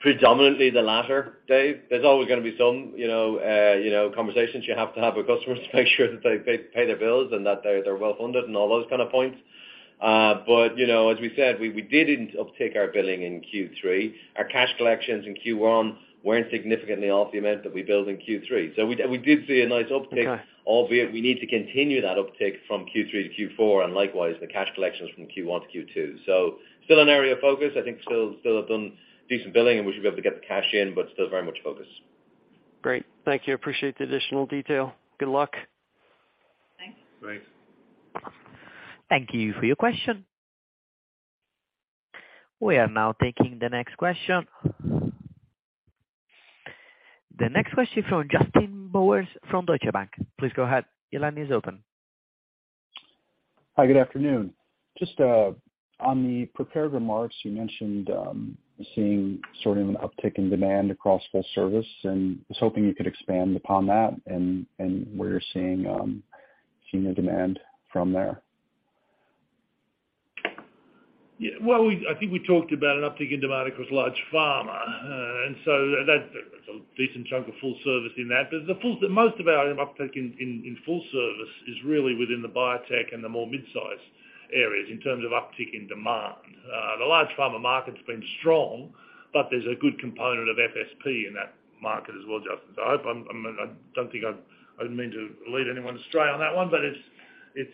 D: predominantly the latter, Dave. There's always gonna be some, you know, you know, conversations you have to have with customers to make sure that they pay their bills and that they're well-funded and all those kind of points. You know, as we said, we did uptake our billing in Q3. Our cash collections in Q1 weren't significantly off the amount that we billed in Q3. We did see a nice uptake.
M: Okay.
D: We need to continue that uptake from Q3 to Q4, and likewise, the cash collections from Q1 to Q2. Still an area of focus, I think still have done decent billing, and we should be able to get the cash in, but still very much focused.
M: Great. Thank you. I appreciate the additional detail. Good luck.
C: Thanks.
D: Thanks.
A: Thank you for your question. We are now taking the next question. The next question from Justin Bowers from Deutsche Bank. Please go ahead. Your line is open.
N: Hi, good afternoon. Just on the prepared remarks, you mentioned seeing sort of an uptick in demand across full service, and I was hoping you could expand upon that and where you're seeing the demand from there.
C: Yeah. Well, I think we talked about an uptick in demand across large pharma. That's a decent chunk of full service in that. Most of our uptick in full service is really within the biotech and the more mid-sized areas in terms of uptick in demand. The large pharma market's been strong, but there's a good component of FSP in that market as well, Justin. I hope I'm, I don't think I didn't mean to lead anyone astray on that one, but it's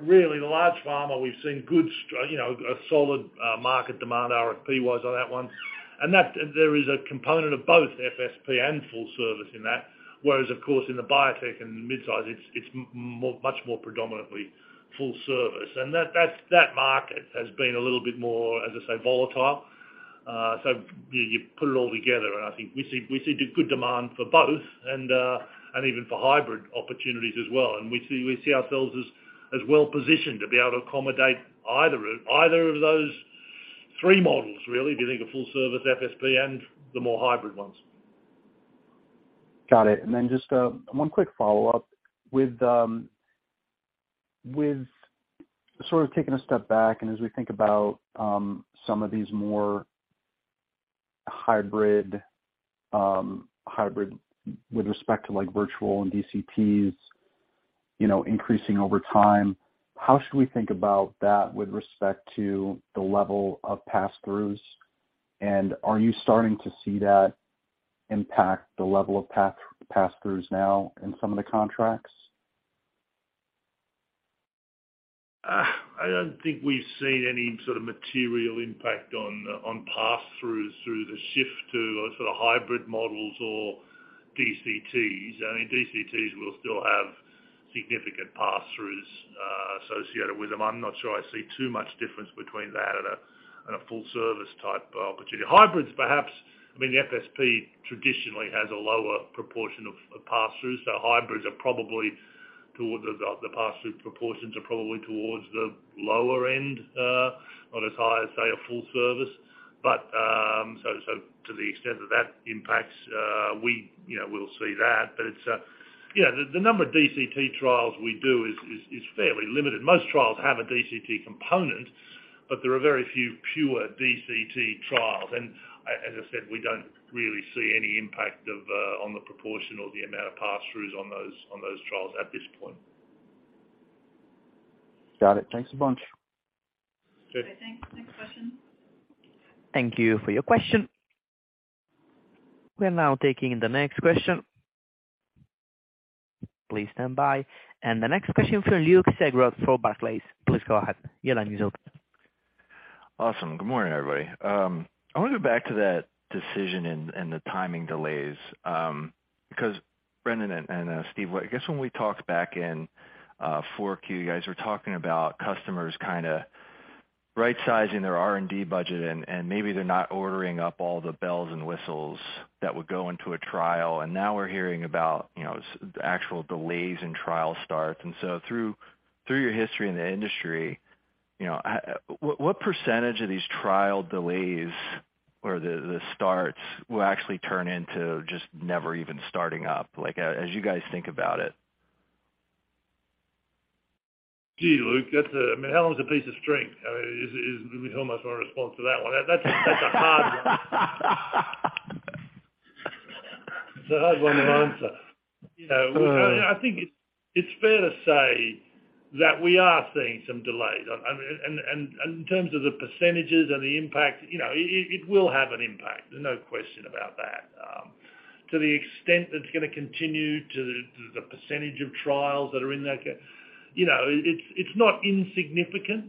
C: really the large pharma we've seen good, you know, a solid market demand RFP-wise on that one. There is a component of both FSP and full service in that. Of course, in the biotech and mid-size, it's much more predominantly full service. That market has been a little bit more, as I say, volatile. You put it all together, and I think we see good demand for both and even for hybrid opportunities as well. We see ourselves as well-positioned to be able to accommodate either of those three models, really, if you think of full service, FSP, and the more hybrid ones.
N: Got it. Just one quick follow-up. With sort of taking a step back and as we think about some of these more hybrid with respect to like virtual and DCTs, you know, increasing over time, how should we think about that with respect to the level of passthroughs? Are you starting to see that impact the level of passthroughs now in some of the contracts?
D: I don't think we've seen any sort of material impact on passthroughs through the shift to a sort of hybrid models or DCTs. I mean, DCTs will still have significant passthroughs associated with them. I'm not sure I see too much difference between that and a full service type opportunity. Hybrids, perhaps, I mean, the FSP traditionally has a lower proportion of passthroughs, so pass-through proportions are probably towards the lower end, not as high as, say, a full service. To the extent that that impacts, we, you know, we'll see that. It's, you know, the number of DCT trials we do is fairly limited. Most trials have a DCT component, but there are very few pure DCT trials. As I said, we don't really see any impact of on the proportion or the amount of pass-throughs on those trials at this point.
O: Got it. Thanks a bunch.
D: Sure.
K: Okay, thanks. Next question.
A: Thank you for your question. We are now taking the next question. Please stand by. The next question from Luke Sergott for Barclays. Please go ahead. Your line is open.
O: Awesome. Good morning, everybody. I wanna go back to that decision and the timing delays, because Brendan and Steve, I guess when we talked back in four Q, you guys were talking about customers kinda right-sizing their R&D budget, and maybe they're not ordering up all the bells and whistles that would go into a trial. Now we're hearing about, you know, actual delays in trial starts. So through your history in the industry, you know, what percentage of these trial delays or the starts will actually turn into just never even starting up, like, as you guys think about it?
C: Gee, Luke, I mean, how long's a piece of string? I mean, is, I mean, how am I supposed to respond to that one? That's a hard one. It's a hard one to answer. You know.
O: Well-
C: I think it's fair to say that we are seeing some delays. I mean, in terms of the percentages and the impact, you know, it will have an impact, there's no question about that. To the extent that it's gonna continue to the percentage of trials that are in that, you know, it's not insignificant.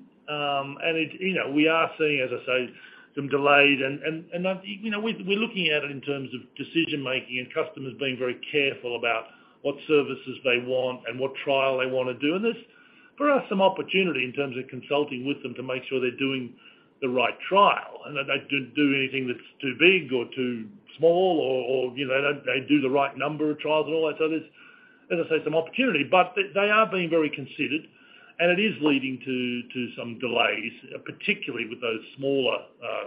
C: It's. You know, we are seeing, as I say, some delays. You know, we're looking at it in terms of decision-making and customers being very careful about what services they want and what trial they wanna do. There's, for us, some opportunity in terms of consulting with them to make sure they're doing the right trial, and that they don't do anything that's too big or too small or, you know, they don't. They do the right number of trials and all that. there's, as I say, some opportunity. they are being very considered, and it is leading to some delays, particularly with those smaller,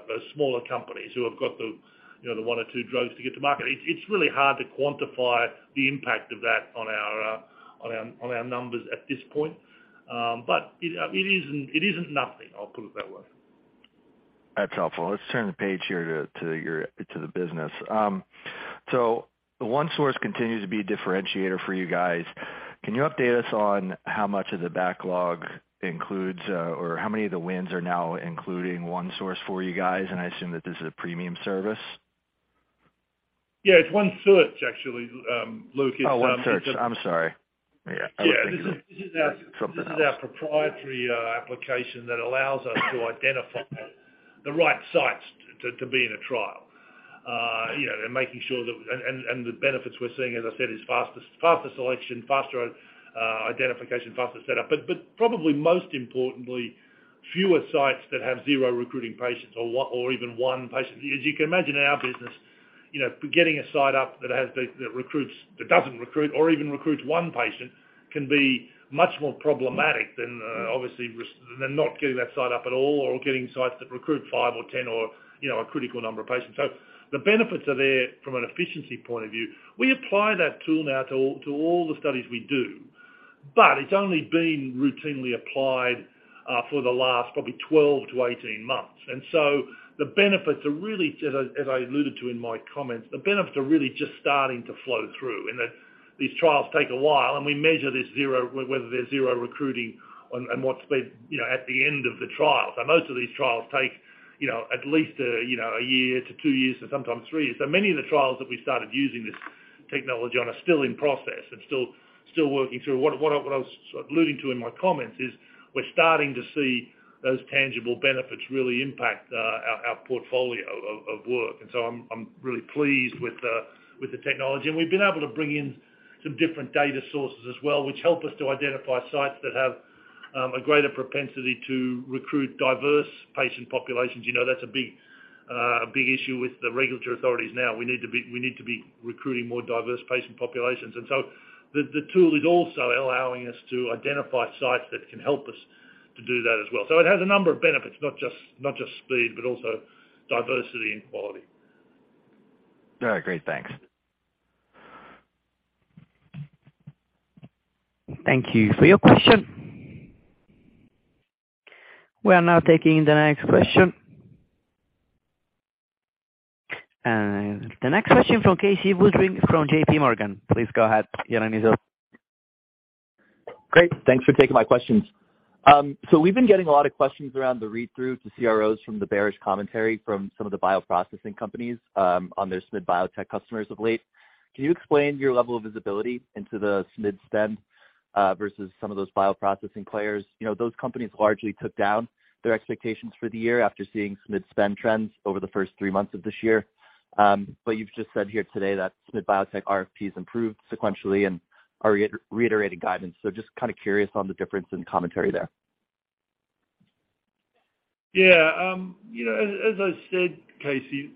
C: those smaller companies who have got the, you know, the one or two drugs to get to market. It's really hard to quantify the impact of that on our numbers at this point. it isn't nothing, I'll put it that way.
O: That's helpful. Let's turn the page here to your, to the business. OneSource continues to be a differentiator for you guys. Can you update us on how much of the backlog includes, or how many of the wins are now including OneSource for you guys? I assume that this is a premium service.
C: Yeah. It's OneSearch, actually, Luke.
O: Oh, OneSearch. I'm sorry. Yeah. I was thinking.
C: Yeah. This is.
O: something else.
C: This is our proprietary application that allows us to identify the right sites to be in a trial. You know, and making sure that. The benefits we're seeing, as I said, is faster selection, faster identification, faster setup. Probably most importantly, fewer sites that have zero recruiting patients or even one patient. As you can imagine, in our business, you know, getting a site up that doesn't recruit or even recruits one patient can be much more problematic than obviously than not getting that site up at all or getting sites that recruit five or 10 or, you know, a critical number of patients. The benefits are there from an efficiency point of view. We apply that tool now to all the studies we do, but it's only been routinely applied for the last probably 12 to 18 months. The benefits are really just as I alluded to in my comments, the benefits are really just starting to flow through. These trials take a while, and we measure this zero, whether there's zero recruiting on what's been, you know, at the end of the trial. Most of these trials take, you know, at least, you know, one year to two years to sometimes three. Many of the trials that we started using this technology on are still in process and still working through. What I was sort of alluding to in my comments is we're starting to see those tangible benefits really impact our portfolio of work. I'm really pleased with the technology. We've been able to bring in some different data sources as well, which help us to identify sites that have a greater propensity to recruit diverse patient populations. You know, that's a big issue with the regulatory authorities now. We need to be recruiting more diverse patient populations. The tool is also allowing us to identify sites that can help us to do that as well. It has a number of benefits, not just speed, but also diversity and quality.
O: All right, great. Thanks.
A: Thank you for your question. We are now taking the next question. The next question from Casey Woodring from JPMorgan. Please go ahead. Your line is open.
P: Great. Thanks for taking my questions. We've been getting a lot of questions around the read-through to CROs from the bearish commentary from some of the bioprocessing companies, on their SMID Biotech customers of late. Can you explain your level of visibility into the SMID spend, versus some of those bioprocessing players? You know, those companies largely took down their expectations for the year after seeing SMID spend trends over the first three months of this year. You've just said here today that SMID Biotech RFPs improved sequentially and are reiterating guidance. Just kinda curious on the difference in commentary there.
C: You know, as I said, Casey,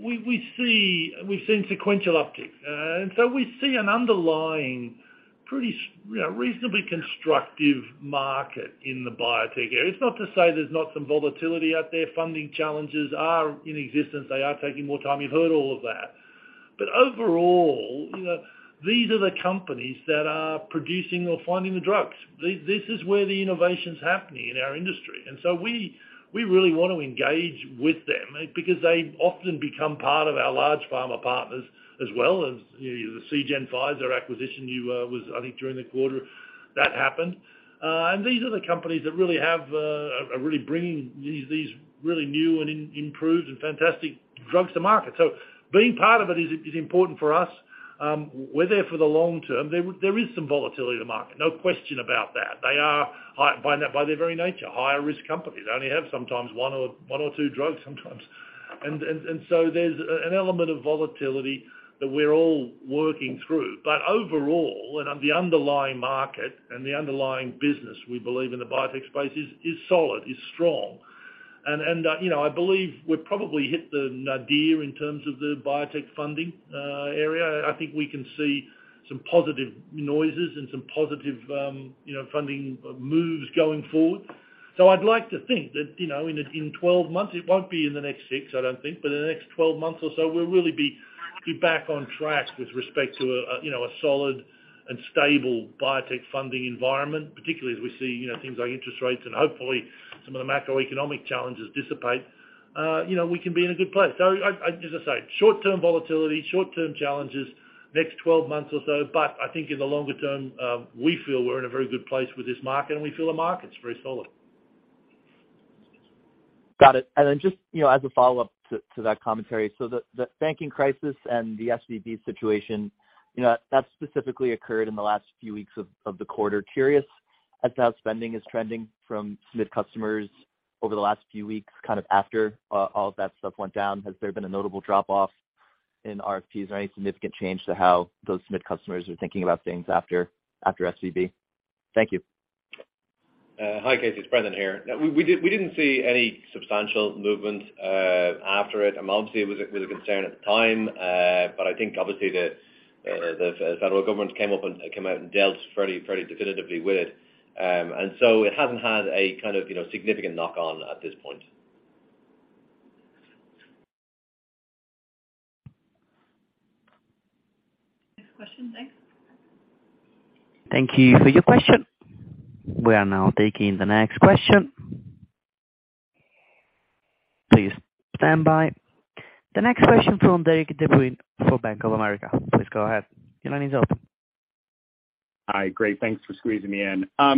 C: we've seen sequential uptick. We see an underlying pretty, you know, reasonably constructive market in the biotech area. It's not to say there's not some volatility out there. Funding challenges are in existence. They are taking more time. You've heard all of that. Overall, you know, these are the companies that are producing or finding the drugs. This is where the innovation's happening in our industry. We really wanna engage with them because they often become part of our large pharma partners as well as, you know, the Seagen files or acquisition you was I think during the quarter that happened. These are the companies that really have, are really bringing these really new and improved and fantastic drugs to market. Being part of it is important for us. We're there for the long term. There is some volatility in the market, no question about that. They are high by their very nature, higher risk companies. They only have sometimes one or two drugs sometimes. There's an element of volatility that we're all working through. Overall, the underlying market and the underlying business we believe in the biotech space is solid, is strong. You know, I believe we've probably hit the nadir in terms of the biotech funding area. I think we can see some positive noises and some positive, you know, funding moves going forward. I'd like to think that, you know, in 12 months, it won't be in the next six, I don't think, but in the next 12 months or so, we'll really be back on track with respect to a, you know, a solid and stable biotech funding environment, particularly as we see, you know, things like interest rates and hopefully some of the macroeconomic challenges dissipate. You know, we can be in a good place. I, as I say, short-term volatility, short-term challenges next 12 months or so, but I think in the longer term, we feel we're in a very good place with this market, and we feel the market's very solid.
P: Got it. Just, you know, as a follow-up to that commentary. The banking crisis and the SVB situation, you know, that specifically occurred in the last few weeks of the quarter. Curious as to how spending is trending from SMID customers over the last few weeks, kind of after all of that stuff went down. Has there been a notable drop off in RFPs or any significant change to how those SMID customers are thinking about things after SVB? Thank you.
D: Hi, Casey. It's Brendan here. No, we didn't see any substantial movement after it. I mean, obviously it was a concern at the time, I think obviously the federal government came out and dealt very definitively with it. It hasn't had a kind of, you know, significant knock on at this point.
K: Next question. Thanks.
A: Thank you for your question. We are now taking the next question. Please stand by. The next question from Derik De Bruin for Bank of America. Please go ahead. Your line is open.
Q: Hi. Great, thanks for squeezing me in. A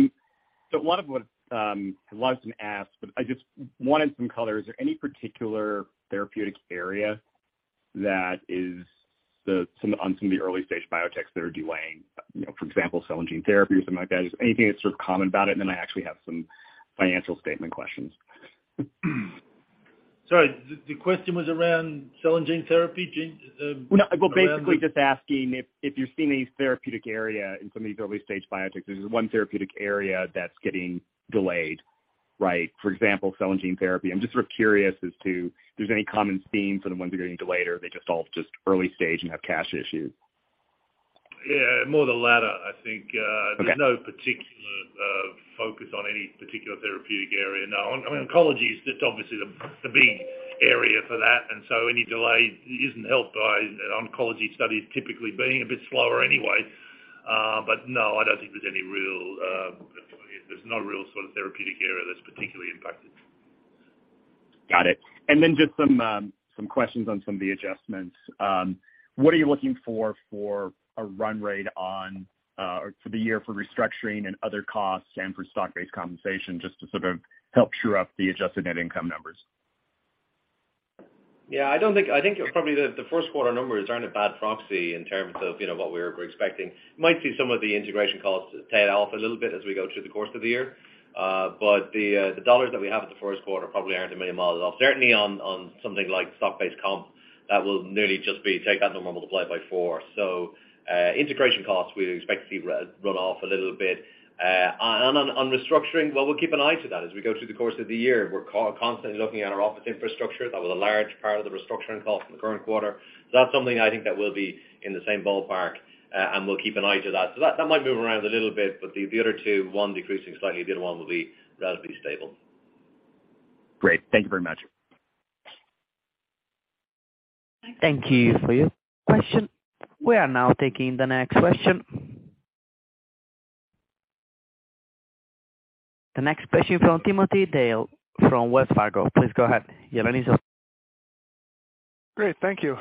Q: lot of what, a lot has been asked, but I just wanted some color. Is there any particular therapeutic area that is some of the early-stage biotechs that are delaying, you know, for example, cell and gene therapy or something like that? Just anything that's sort of common about it, and then I actually have some financial statement questions.
C: Sorry, the question was around cell and gene therapy, gene.
Q: Well, no. Well, basically just asking if you're seeing any therapeutic area in some of these early-stage biotechs, is there one therapeutic area that's getting delayed, right? For example, cell and gene therapy. I'm just sort of curious as to if there's any common theme for the ones that are getting delayed, or are they just all just early stage and have cash issues?
C: Yeah, more the latter, I think.
Q: Okay.
C: There's no particular focus on any particular therapeutic area. No. I mean, oncology is just obviously the big area for that. Any delay isn't helped by an oncology study typically being a bit slower anyway. No, I don't think there's any real, there's no real sort of therapeutic area that's particularly impacted.
Q: Got it. Just some questions on some of the adjustments. What are you looking for for a run rate on, or for the year for restructuring and other costs and for stock-based compensation, just to sort of help true up the adjusted net income numbers?
C: Yeah, I think probably the first quarter numbers aren't a bad proxy in terms of, you know, what we're expecting. Might see some of the integration costs tail off a little bit as we go through the course of the year. The dollars that we have at the first quarter probably aren't a million miles off. Certainly on something like stock-based comp, that will nearly just be take that number and multiply it by four. Integration costs, we'd expect to see run off a little bit. On restructuring, well, we'll keep an eye to that as we go through the course of the year. We're constantly looking at our office infrastructure. That was a large part of the restructuring cost in the current quarter. That's something I think that will be in the same ballpark, and we'll keep an eye to that. That might move around a little bit, but the other two, one decreasing slightly, the other one will be relatively stable.
Q: Great. Thank you very much.
A: Thank you for your question. We are now taking the next question. The next question from Timothy Daley from Wells Fargo. Please go ahead. Your line is open.
R: Great. Thank you.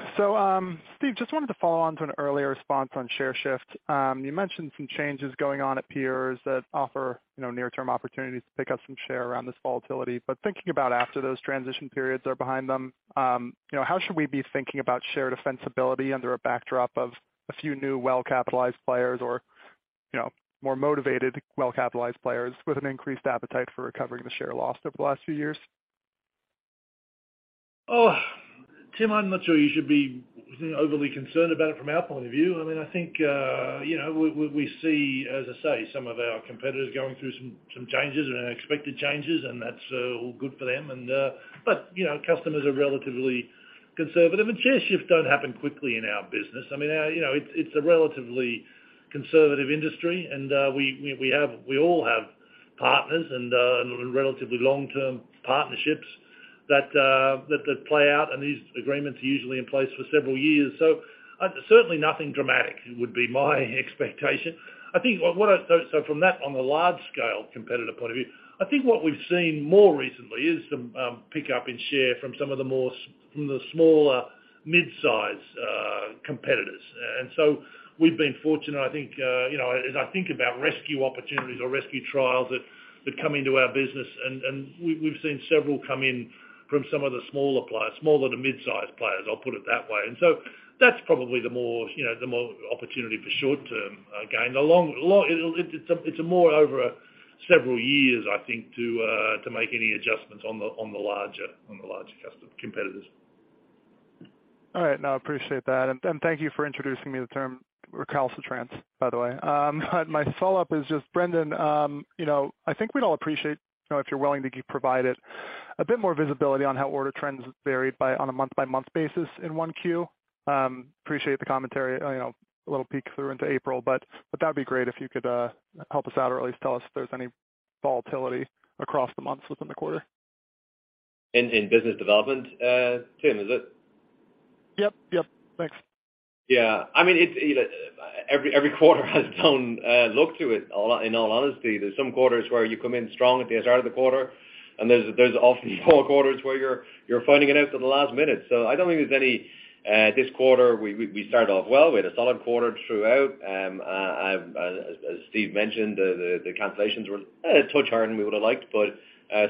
R: Steve, just wanted to follow on to an earlier response on share shift. You mentioned some changes going on at peers that offer, you know, near-term opportunities to pick up some share around this volatility. Thinking about after those transition periods are behind them, you know, how should we be thinking about share defensibility under a backdrop of a few new, well-capitalized players or, you know, more motivated, well-capitalized players with an increased appetite for recovering the share lost over the last few years?
C: Oh, Tim, I'm not sure you should be overly concerned about it from our point of view. I mean, I think, you know, we see, as I say, some of our competitors going through some changes and unexpected changes, and that's all good for them. You know, customers are relatively conservative, and share shifts don't happen quickly in our business. I mean, you know, it's a relatively conservative industry, and we all have partners and relatively long-term partnerships that play out, and these agreements are usually in place for several years. Certainly nothing dramatic would be my expectation. From that, on the large scale competitive point of view, I think what we've seen more recently is the pick up in share from some of the more from the smaller mid-size competitors. We've been fortunate, I think, you know, as I think about rescue opportunities or rescue trials that come into our business and we've seen several come in from some of the smaller players, smaller to mid-size players, I'll put it that way. That's probably the more, you know, the more opportunity for short-term gain. The long it's a more over several years, I think, to make any adjustments on the larger competitors.
R: All right. No, I appreciate that. Thank you for introducing me to the term recalcitrance, by the way. My follow-up is just Brendan, you know, I think we'd all appreciate, you know, if you're willing to provide it a bit more visibility on how order trends varied by on a month by month basis in 1Q. Appreciate the commentary, you know, a little peek through into April, but that'd be great if you could help us out or at least tell us if there's any volatility across the months within the quarter.
D: In business development, Tim, is it?
R: Yep. Yep. Thanks.
D: Yeah. I mean, it's either every quarter has its own look to it, in all honesty. There's some quarters where you come in strong at the start of the quarter, and there's often four quarters where you're fighting it out to the last minute. I don't think there's any this quarter we started off well. We had a solid quarter throughout. As Steve mentioned, the cancellations were a touch harder than we would have liked, but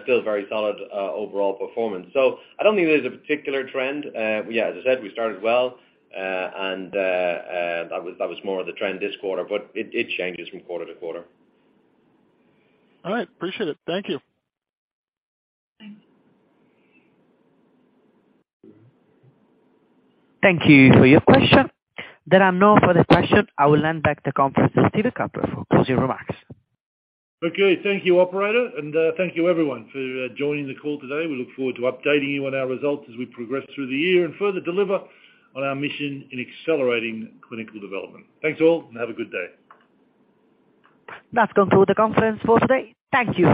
D: still very solid overall performance. I don't think there's a particular trend. Yeah, as I said, we started well, and that was more of the trend this quarter, but it changes from quarter to quarter.
R: All right. Appreciate it. Thank you.
A: Thank you for your question. There are no further question. I will hand back to conference to Steve Cutler for closing remarks.
C: Okay. Thank you, operator. Thank you everyone for joining the call today. We look forward to updating you on our results as we progress through the year and further deliver on our mission in accelerating clinical development. Thanks all and have a good day.
A: That's conclude the conference for today. Thank you.